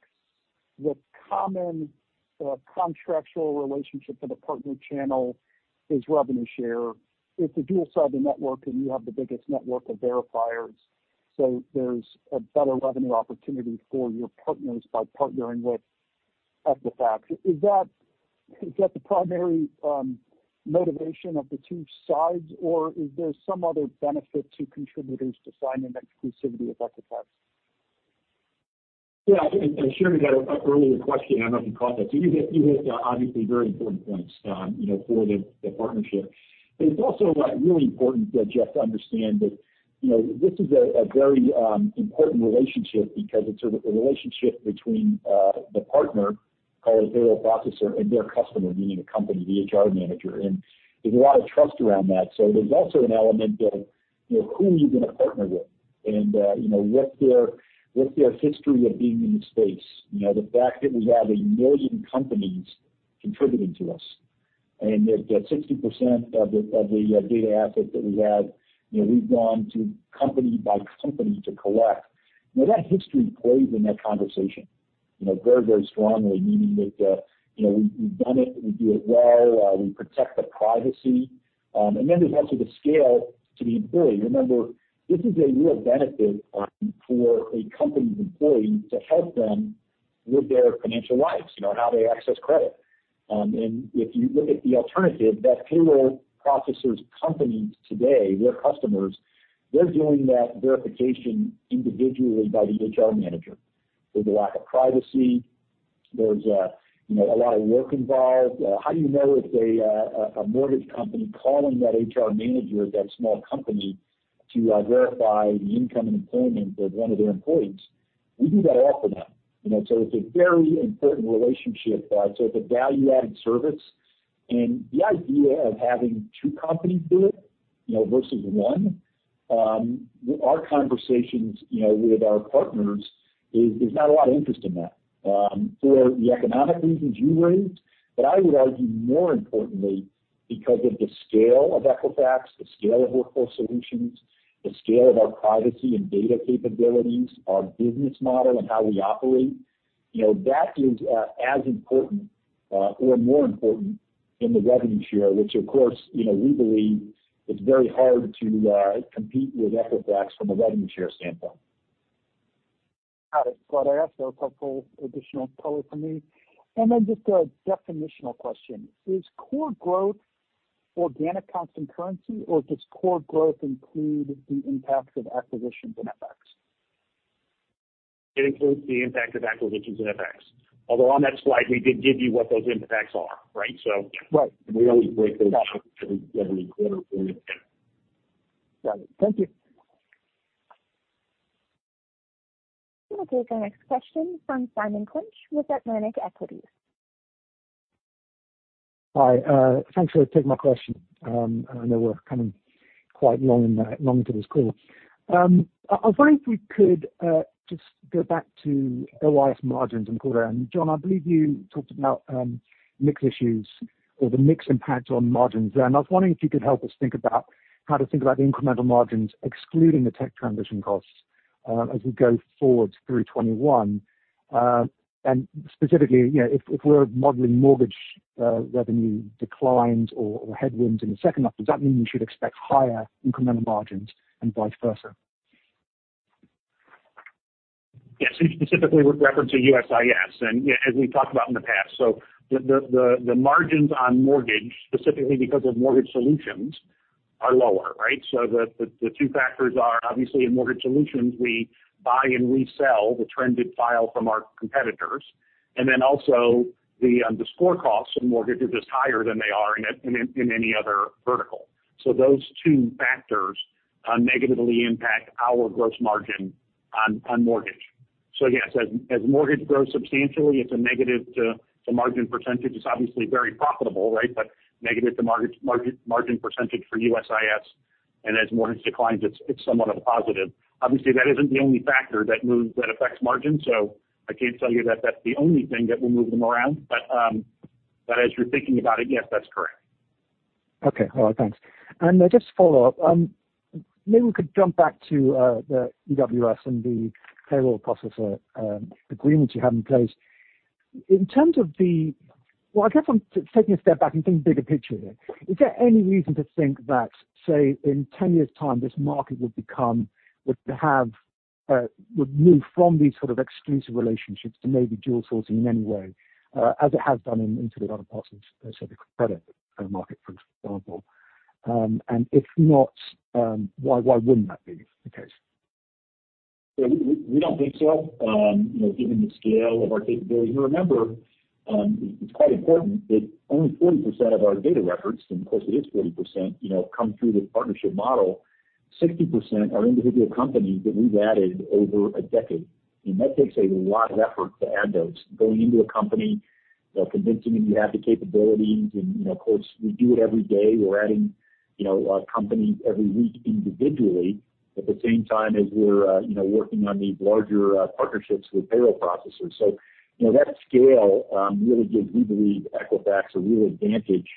The common contractual relationship for the partner channel is revenue share. It's a dual-sided network, and you have the biggest network of verifiers. There's a better revenue opportunity for your partners by partnering with Equifax. Is that the primary motivation of the two sides, or is there some other benefit to contributors to signing exclusivity with Equifax? Yeah. I'm sure we got an earlier question. I don't know if you caught that. You hit obviously very important points for the partnership. It's also really important, Jeff, to understand that this is a very important relationship because it's a relationship between the partner, call it a payroll processor, and their customer, meaning a company, the HR manager. There's a lot of trust around that. There's also an element of who you're going to partner with and what's their history of being in the space. The fact that we have a million companies contributing to us and that 60% of the data assets that we have, we've gone to company by company to collect, that history plays in that conversation very, very strongly, meaning that we've done it, we do it well, we protect the privacy. There's also the scale to the employee. Remember, this is a real benefit for a company's employee to help them with their financial lives, how they access credit. If you look at the alternative, that payroll processor's companies today, their customers, they're doing that verification individually by the HR manager. There's a lack of privacy. There's a lot of work involved. How do you know if a mortgage company calling that HR manager at that small company to verify the income and employment of one of their employees? We do that all for them. It is a very important relationship. It is a value-added service. The idea of having two companies do it versus one, our conversations with our partners, there's not a lot of interest in that for the economic reasons you raised. I would argue, more importantly, because of the scale of Equifax, the scale of Workforce Solutions, the scale of our privacy and data capabilities, our business model, and how we operate, that is as important or more important than the revenue share, which, of course, we believe it's very hard to compete with Equifax from a revenue share standpoint. Got it. Glad I asked. That was helpful, additional color for me. Just a definitional question. Is core growth organic constant currency, or does core growth include the impacts of acquisitions in FX? It includes the impact of acquisitions and FX. Although on that slide, we did give you what those impacts are, right? Right. We always break those down every quarter for you. Got it. Thank you. We will take our next question from Simon Clinch with Atlantic Equities. Hi. Thanks for taking my question. I know we're coming quite long into this call. I was wondering if we could just go back to USIS margins and quarter. John, I believe you talked about mix issues or the mix impact on margins. I was wondering if you could help us think about how to think about the incremental margins excluding the tech transition costs as we go forward through 2021. Specifically, if we're modeling mortgage revenue declines or headwinds in the second half, does that mean we should expect higher incremental margins and vice versa? Yes. Specifically, with reference to USIS and as we've talked about in the past. The margins on mortgage, specifically because of mortgage solutions, are lower, right? The two factors are obviously in mortgage solutions, we buy and resell the trended file from our competitors. Also, the score costs of mortgage are just higher than they are in any other vertical. Those two factors negatively impact our gross margin on mortgage. Yes, as mortgage grows substantially, it's a negative to margin percentage. It's obviously very profitable, right? Negative to margin percentage for USIS. As mortgage declines, it's somewhat of a positive. Obviously, that isn't the only factor that affects margins. I can't tell you that that's the only thing that will move them around. As you're thinking about it, yes, that's correct. Okay. All right. Thanks. Just a follow-up. Maybe we could jump back to the EWS and the payroll processor agreements you have in place. In terms of the, well, I guess I'm taking a step back and thinking bigger picture here. Is there any reason to think that, say, in 10 years' time, this market would move from these sort of exclusive relationships to maybe dual sourcing in any way, as it has done in sort of other parts of the credit market, for example? If not, why wouldn't that be the case? Yeah. We do not think so, given the scale of our capabilities. Remember, it is quite important that only 40% of our data records, and of course, it is 40%, come through this partnership model. 60% are individual companies that we have added over a decade. That takes a lot of effort to add those. Going into a company, convincing them you have the capabilities, and of course, we do it every day. We are adding companies every week individually at the same time as we are working on these larger partnerships with payroll processors. That scale really gives, we believe, Equifax a real advantage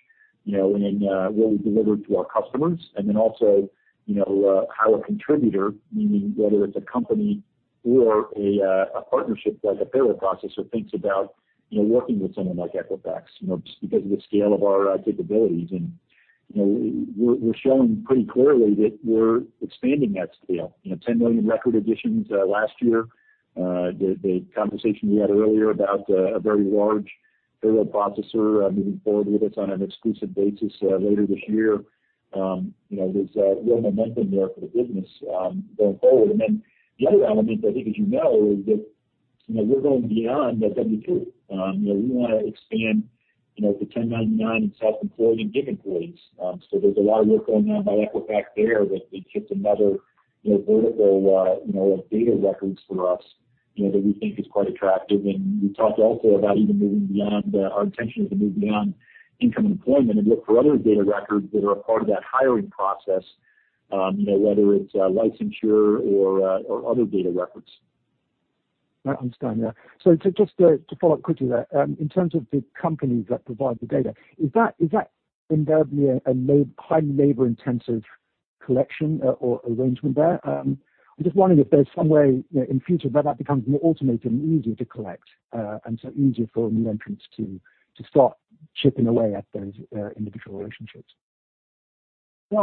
in what we deliver to our customers. Also, how a contributor, meaning whether it is a company or a partnership like a payroll processor, thinks about working with someone like Equifax just because of the scale of our capabilities. We are showing pretty clearly that we are expanding that scale. 10 million record additions last year. The conversation we had earlier about a very large payroll processor moving forward with us on an exclusive basis later this year was real momentum there for the business going forward. The other element, I think, as you know, is that we are going beyond W-2. We want to expand to 1099 and self-employed and gig employees. There is a lot of work going on by Equifax there that is just another vertical of data records for us that we think is quite attractive. We talked also about even moving beyond. Our intention is to move beyond income and employment and look for other data records that are a part of that hiring process, whether it is licensure or other data records. I understand. Yeah. Just to follow up quickly there, in terms of the companies that provide the data, is that invariably a highly labor-intensive collection or arrangement there? I'm just wondering if there's some way in future that that becomes more automated and easier to collect and so easier for new entrants to start chipping away at those individual relationships. These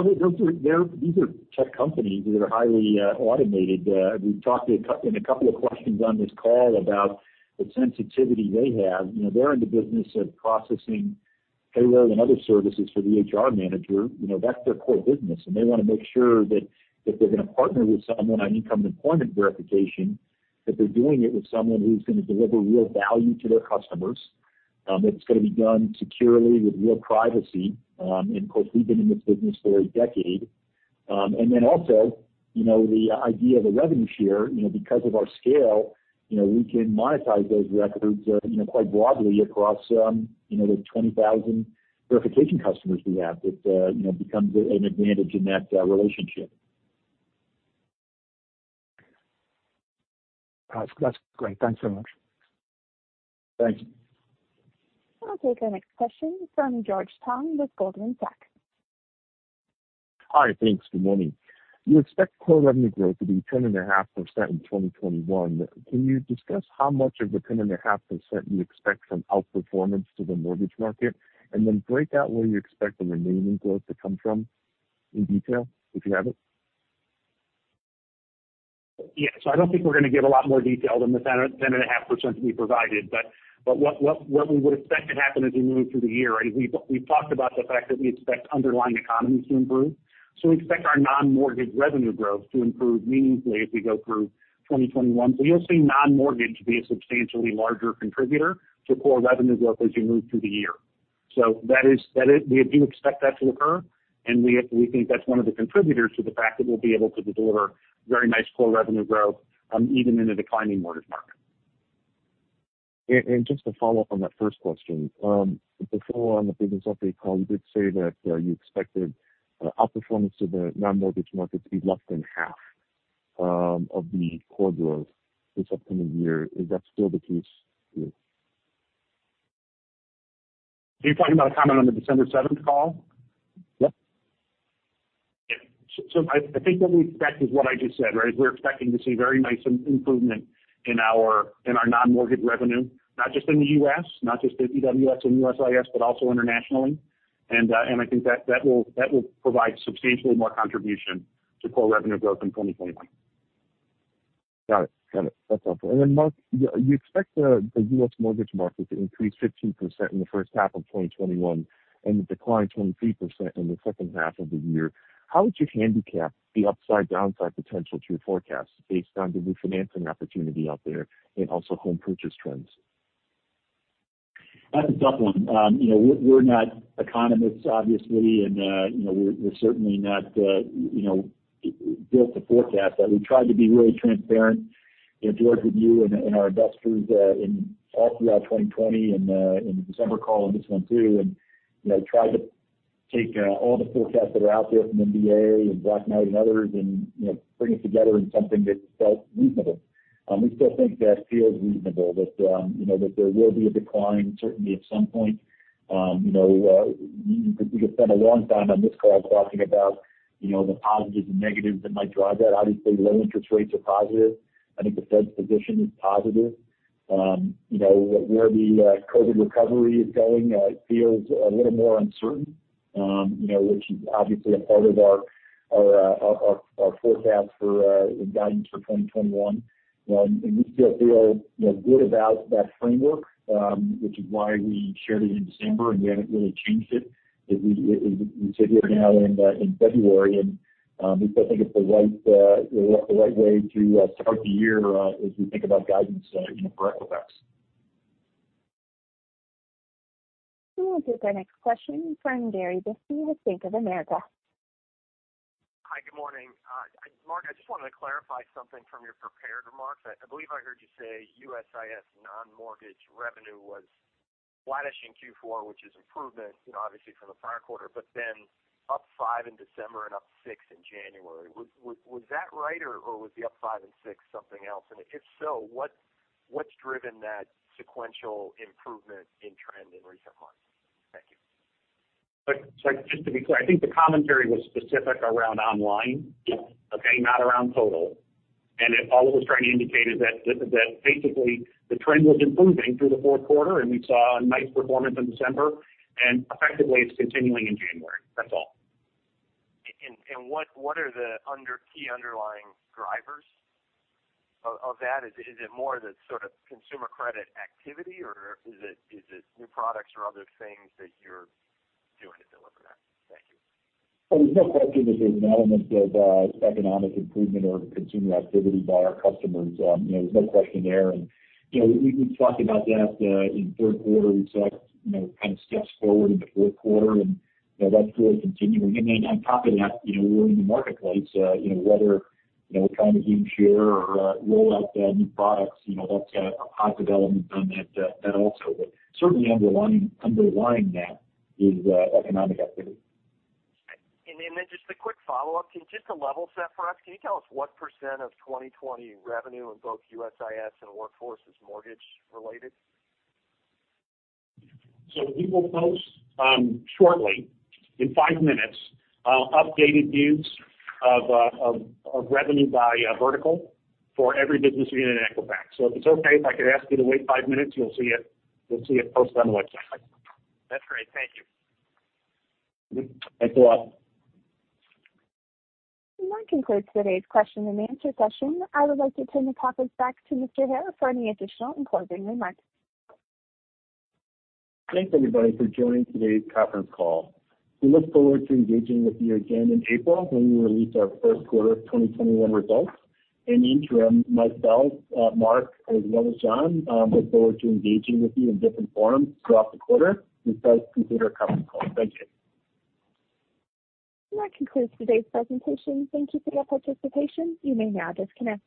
are tech companies that are highly automated. We've talked in a couple of questions on this call about the sensitivity they have. They're in the business of processing payroll and other services for the HR manager. That's their core business. They want to make sure that if they're going to partner with someone on income and employment verification, that they're doing it with someone who's going to deliver real value to their customers, that it's going to be done securely with real privacy. Of course, we've been in this business for a decade. Also, the idea of a revenue share, because of our scale, we can monetize those records quite broadly across the 20,000 verification customers we have. It becomes an advantage in that relationship. That's great. Thanks so much. Thanks. We'll take our next question from George Tong with Goldman Sachs. Hi. Thanks. Good morning. You expect core revenue growth to be 10.5% in 2021. Can you discuss how much of the 10.5% you expect from outperformance to the mortgage market? Can you break out where you expect the remaining growth to come from in detail if you have it? Yeah. I do not think we are going to give a lot more detail than the 10.5% that we provided. What we would expect to happen as we move through the year, right? We have talked about the fact that we expect underlying economies to improve. We expect our non-mortgage revenue growth to improve meaningfully as we go through 2021. You will see non-mortgage be a substantially larger contributor to core revenue growth as you move through the year. We do expect that to occur. We think that is one of the contributors to the fact that we will be able to deliver very nice core revenue growth even in a declining mortgage market. Just to follow up on that first question, before we were on the business update call, you did say that you expected outperformance to the non-mortgage market to be less than half of the core growth this upcoming year. Is that still the case? You're talking about a comment on the December 7th call? Yep. Yeah. I think what we expect is what I just said, right? We're expecting to see very nice improvement in our non-mortgage revenue, not just in the U.S., not just at EWS and USIS, but also internationally. I think that will provide substantially more contribution to core revenue growth in 2021. Got it. Got it. That's helpful. Mark, you expect the U.S. mortgage market to increase 15% in the first half of 2021 and decline 23% in the second half of the year. How would you handicap the upside downside potential to your forecast based on the refinancing opportunity out there and also home purchase trends? That's a tough one. We're not economists, obviously, and we're certainly not built to forecast that. We tried to be really transparent, George, with you and our investors all throughout 2020 and in the December call on this one too, and tried to take all the forecasts that are out there from NBA and Black Knight and others and bring it together in something that felt reasonable. We still think that feels reasonable that there will be a decline, certainly at some point. We could spend a long time on this call talking about the positives and negatives that might drive that. Obviously, low interest rates are positive. I think the Fed's position is positive. Where the COVID recovery is going, it feels a little more uncertain, which is obviously a part of our forecast for guidance for 2021. We still feel good about that framework, which is why we shared it in December and we have not really changed it. We sit here now in February, and we still think it is the right way to start the year as we think about guidance for Equifax. We will take our next question from Gary Beeson with Bank of America. Hi. Good morning. Mark, I just wanted to clarify something from your prepared remarks. I believe I heard you say USIS non-mortgage revenue was flattish in Q4, which is improvement, obviously, from the prior quarter, but then up 5 in December and up 6 in January. Was that right, or was the up 5 and 6 something else? If so, what's driven that sequential improvement in trend in recent months? Thank you. Just to be clear, I think the commentary was specific around online, okay, not around total. All it was trying to indicate is that basically the trend was improving through the fourth quarter, and we saw a nice performance in December. Effectively, it's continuing in January. That's all. What are the key underlying drivers of that? Is it more the sort of consumer credit activity, or is it new products or other things that you're doing to deliver that? Thank you. is no question that there is an element of economic improvement or consumer activity by our customers. There is no question there. We talked about that in third quarter. We saw kind of steps forward in the fourth quarter, and that is really continuing. On top of that, we are in the marketplace. Whether we are trying to gain share or roll out new products, that is a positive element on that also. Certainly, underlying that is economic activity. Just a quick follow-up. Just a level set for us. Can you tell us what % of 2020 revenue in both USIS and workforce is mortgage-related? We will post shortly, in five minutes, updated views of revenue by vertical for every business unit in Equifax. If it's okay, if I could ask you to wait five minutes, you'll see it posted on the website. That's great. Thank you. Thanks a lot. That concludes today's question and answer session. I would like to turn the topic back to Mr. Hare for any additional enclosing remarks. Thanks, everybody, for joining today's conference call. We look forward to engaging with you again in April when we release our first quarter of 2021 results. In the interim, myself, Mark, as well as John, look forward to engaging with you in different forums throughout the quarter before we conclude our conference call. Thank you. That concludes today's presentation. Thank you for your participation. You may now disconnect.